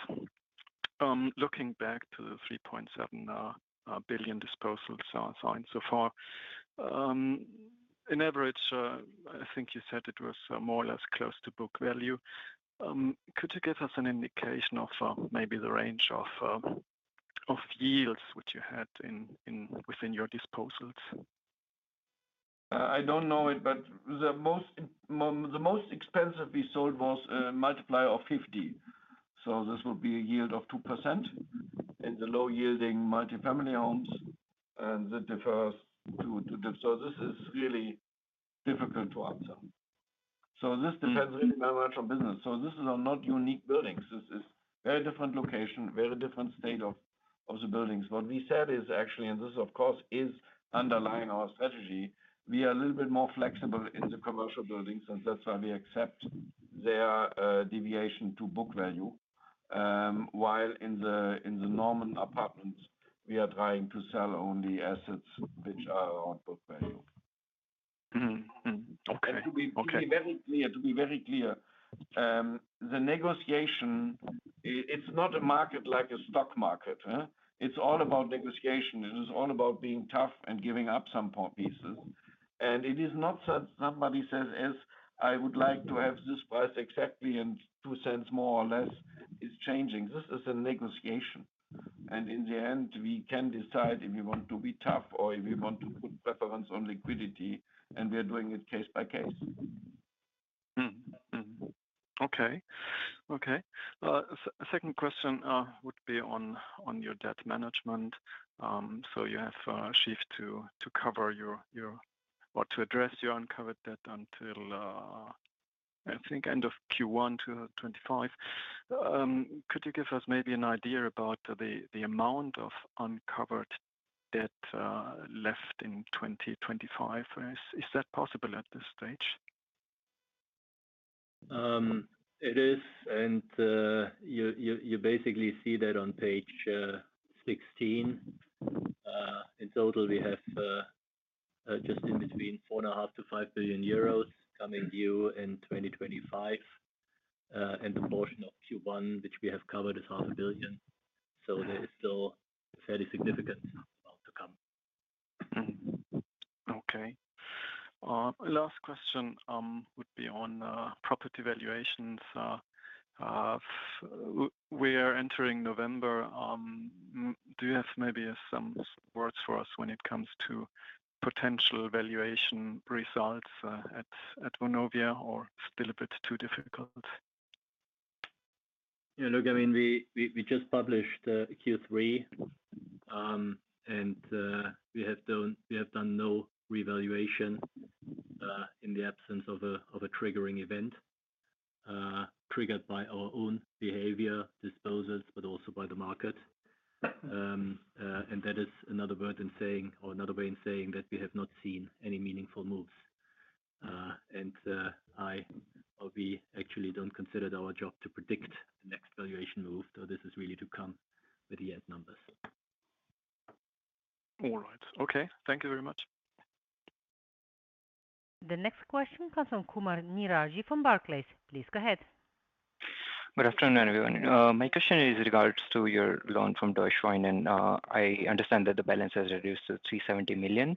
Looking back to the 3.7 billion disposal so far, in average, I think you said it was more or less close to book value. Could you give us an indication of maybe the range of yields which you had in within your disposals? I don't know it, but the most expensive we sold was a multiplier of 50, so this would be a yield of 2% in the low-yielding multifamily homes, and that differs to. So this is really difficult to answer. So this depends really very much on business. So this is, are not unique buildings. This is very different location, very different state of the buildings. What we said is actually, and this, of course, is underlying our strategy, we are a little bit more flexible in the commercial buildings, and that's why we accept their deviation to book value. While in the normal apartments, we are trying to sell only assets which are on book value. Mm-hmm. Mm-hmm. Okay. Okay. To be very clear, to be very clear, the negotiation, it's not a market like a stock market, huh? It's all about negotiation. It is all about being tough and giving up some point pieces. And it is not that somebody says, "As I would like to have this price exactly, and two cents more or less," it's changing. This is a negotiation, and in the end, we can decide if we want to be tough or if we want to put preference on liquidity, and we are doing it case by case. Mm-hmm. Mm-hmm. Okay. Okay. Second question would be on your debt management. So you have shift to cover your or to address your uncovered debt until I think end of Q1 2025. Could you give us maybe an idea about the amount of uncovered debt left in 2025? Is that possible at this stage? It is, and you basically see that on page 16. In total, we have just between 4.5 billion-5 billion euros coming due in 2025, and the portion of Q1, which we have covered, is 500 million. So there is still a fairly significant amount to come. Mm-hmm. Okay. Last question would be on property valuations. We are entering November. Do you have maybe some words for us when it comes to potential valuation results at Vonovia, or still a bit too difficult? Yeah, look, I mean, we just published Q3, and we have done no revaluation in the absence of a triggering event. Triggered by our own behavior, disposals, but also by the market. And that is another word in saying or another way in saying that we have not seen any meaningful moves. And I or we actually don't consider it our job to predict the next valuation move, so this is really to come with the end numbers. All right. Okay. Thank you very much. The next question comes from Neeraj Kumar from Barclays. Please go ahead. Good afternoon, everyone. My question is regards to your loan from Deutsche Wohnen, and I understand that the balance has reduced to 370 million.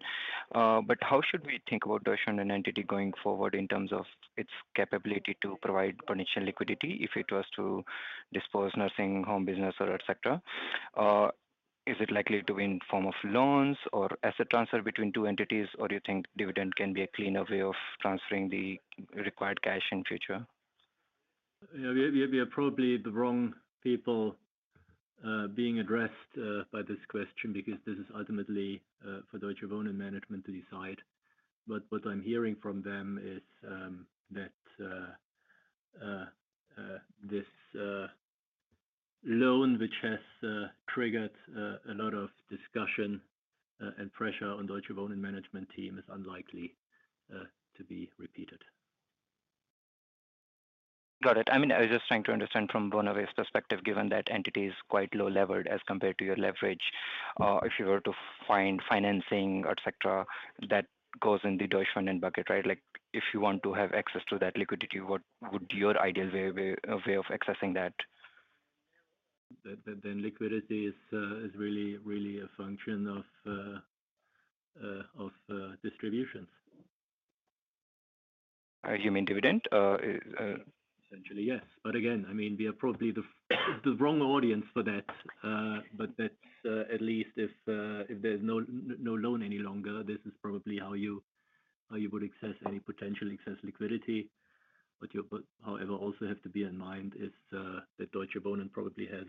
But how should we think about Deutsche Wohnen entity going forward in terms of its capability to provide potential liquidity if it was to dispose nursing home business or et cetera? Or is it likely to be in form of loans or asset transfer between two entities, or do you think dividend can be a cleaner way of transferring the required cash in future? Yeah, we are probably the wrong people being addressed by this question because this is ultimately for Deutsche Wohnen management to decide. But what I'm hearing from them is that this loan, which has triggered a lot of discussion and pressure on Deutsche Wohnen management team is unlikely to be repeated. Got it. I mean, I was just trying to understand from Vonovia's perspective, given that entity is quite low levered as compared to your leverage, if you were to find financing or et cetera, that goes in the Deutsche Wohnen bucket, right? Like, if you want to have access to that liquidity, what would your ideal way of accessing that? Liquidity is really a function of distributions. You mean dividend? Essentially, yes. But again, I mean, we are probably the wrong audience for that. But that's at least if there's no loan any longer, this is probably how you would access any potential excess liquidity. But however, also have to bear in mind is that Deutsche Wohnen probably has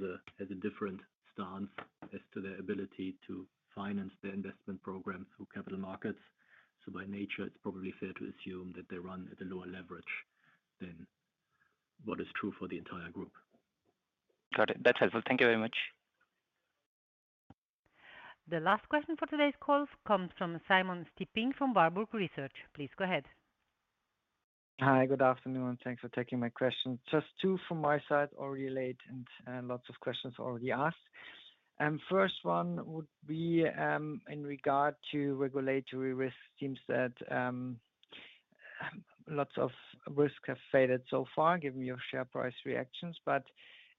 a different stance as to their ability to finance their investment program through capital markets. So by nature, it's probably fair to assume that they run at a lower leverage than what is true for the entire group. Got it. That's helpful. Thank you very much. The last question for today's call comes from Simon Stippig from Warburg Research. Please go ahead. Hi, good afternoon, and thanks for taking my question. Just two from my side, already late and, lots of questions already asked. First one would be, in regard to regulatory risk. It seems that, lots of risk have faded so far, given your share price reactions. But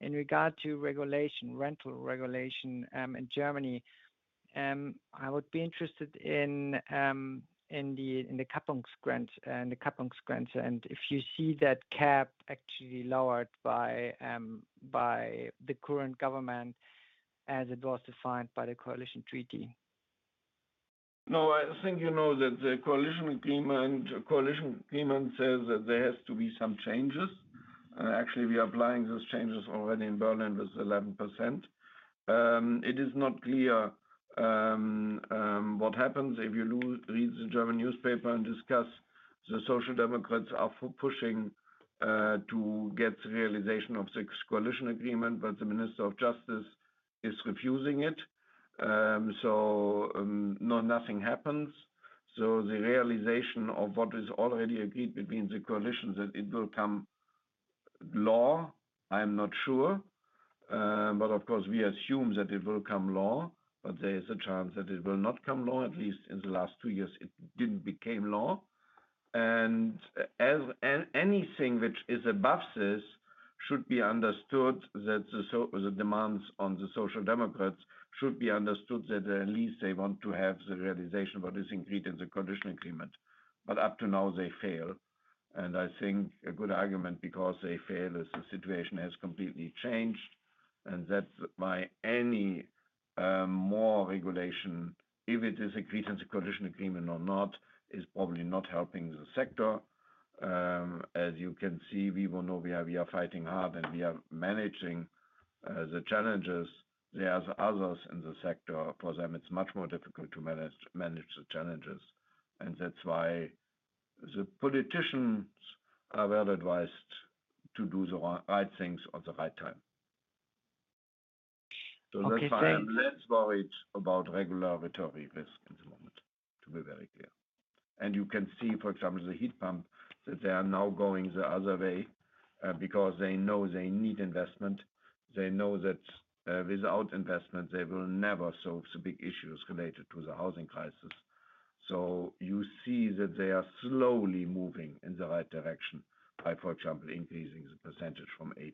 in regard to regulation, rental regulation, in Germany, I would be interested in, in the, in the Kappungsgrenze, the Kappungsgrenze, and if you see that cap actually lowered by, by the current government as it was defined by the coalition treaty. No, I think you know that the coalition agreement, coalition agreement says that there has to be some changes. Actually, we are applying those changes already in Berlin with 11%. It is not clear what happens if you lose—read the German newspaper and discuss the Social Democrats are for—pushing to get the realization of the coalition agreement, but the Minister of Justice is refusing it. So, no, nothing happens. So the realization of what is already agreed between the coalition that it will come law, I'm not sure. But of course, we assume that it will come law, but there is a chance that it will not come law. At least in the last two years, it didn't became law. And as... Anything which is above this should be understood that the so the demands on the Social Democrats should be understood that at least they want to have the realization what is agreed in the coalition agreement. But up to now, they fail. And I think a good argument because they fail is the situation has completely changed, and that's why any more regulation, if it is agreed in the coalition agreement or not, is probably not helping the sector. As you can see, we will know we are, we are fighting hard and we are managing the challenges. There are others in the sector, for them, it's much more difficult to manage, manage the challenges, and that's why the politicians are well advised to do the right things at the right time. Okay, thank- So that's why I'm less worried about regulatory risk at the moment, to be very clear. And you can see, for example, the heat pump, that they are now going the other way, because they know they need investment. They know that, without investment, they will never solve the big issues related to the housing crisis. So you see that they are slowly moving in the right direction by, for example, increasing the percentage from 8%-10%.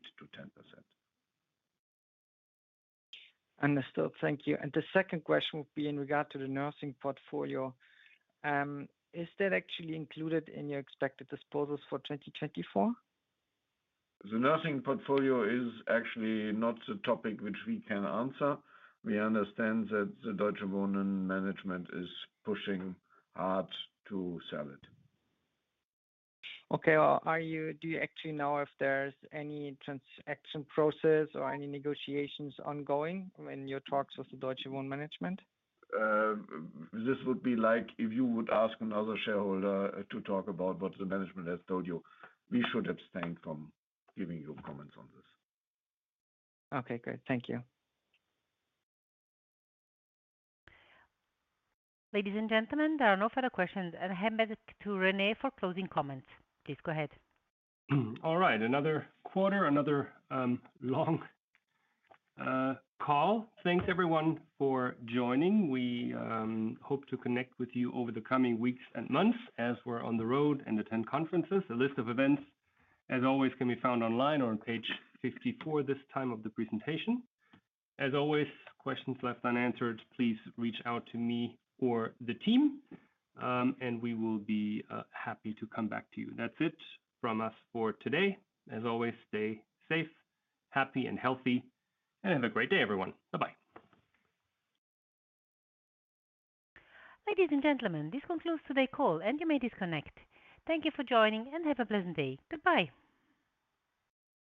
Understood. Thank you. The second question would be in regard to the nursing portfolio. Is that actually included in your expected disposals for 2024? The nursing portfolio is actually not the topic which we can answer. We understand that the Deutsche Wohnen management is pushing hard to sell it. Okay. Well, do you actually know if there's any transaction process or any negotiations ongoing in your talks with the Deutsche Wohnen management? This would be like if you would ask another shareholder to talk about what the management has told you. We should abstain from giving you comments on this. Okay, great. Thank you. Ladies and gentlemen, there are no further questions. I hand back to Rene for closing comments. Please go ahead. All right. Another quarter, another long call. Thanks, everyone, for joining. We hope to connect with you over the coming weeks and months as we're on the road and attend conferences. A list of events, as always, can be found online or on page 54 this time of the presentation. As always, questions left unanswered, please reach out to me or the team, and we will be happy to come back to you. That's it from us for today. As always, stay safe, happy, and healthy, and have a great day, everyone. Bye-bye. Ladies and gentlemen, this concludes today's call, and you may disconnect. Thank you for joining, and have a pleasant day. Goodbye.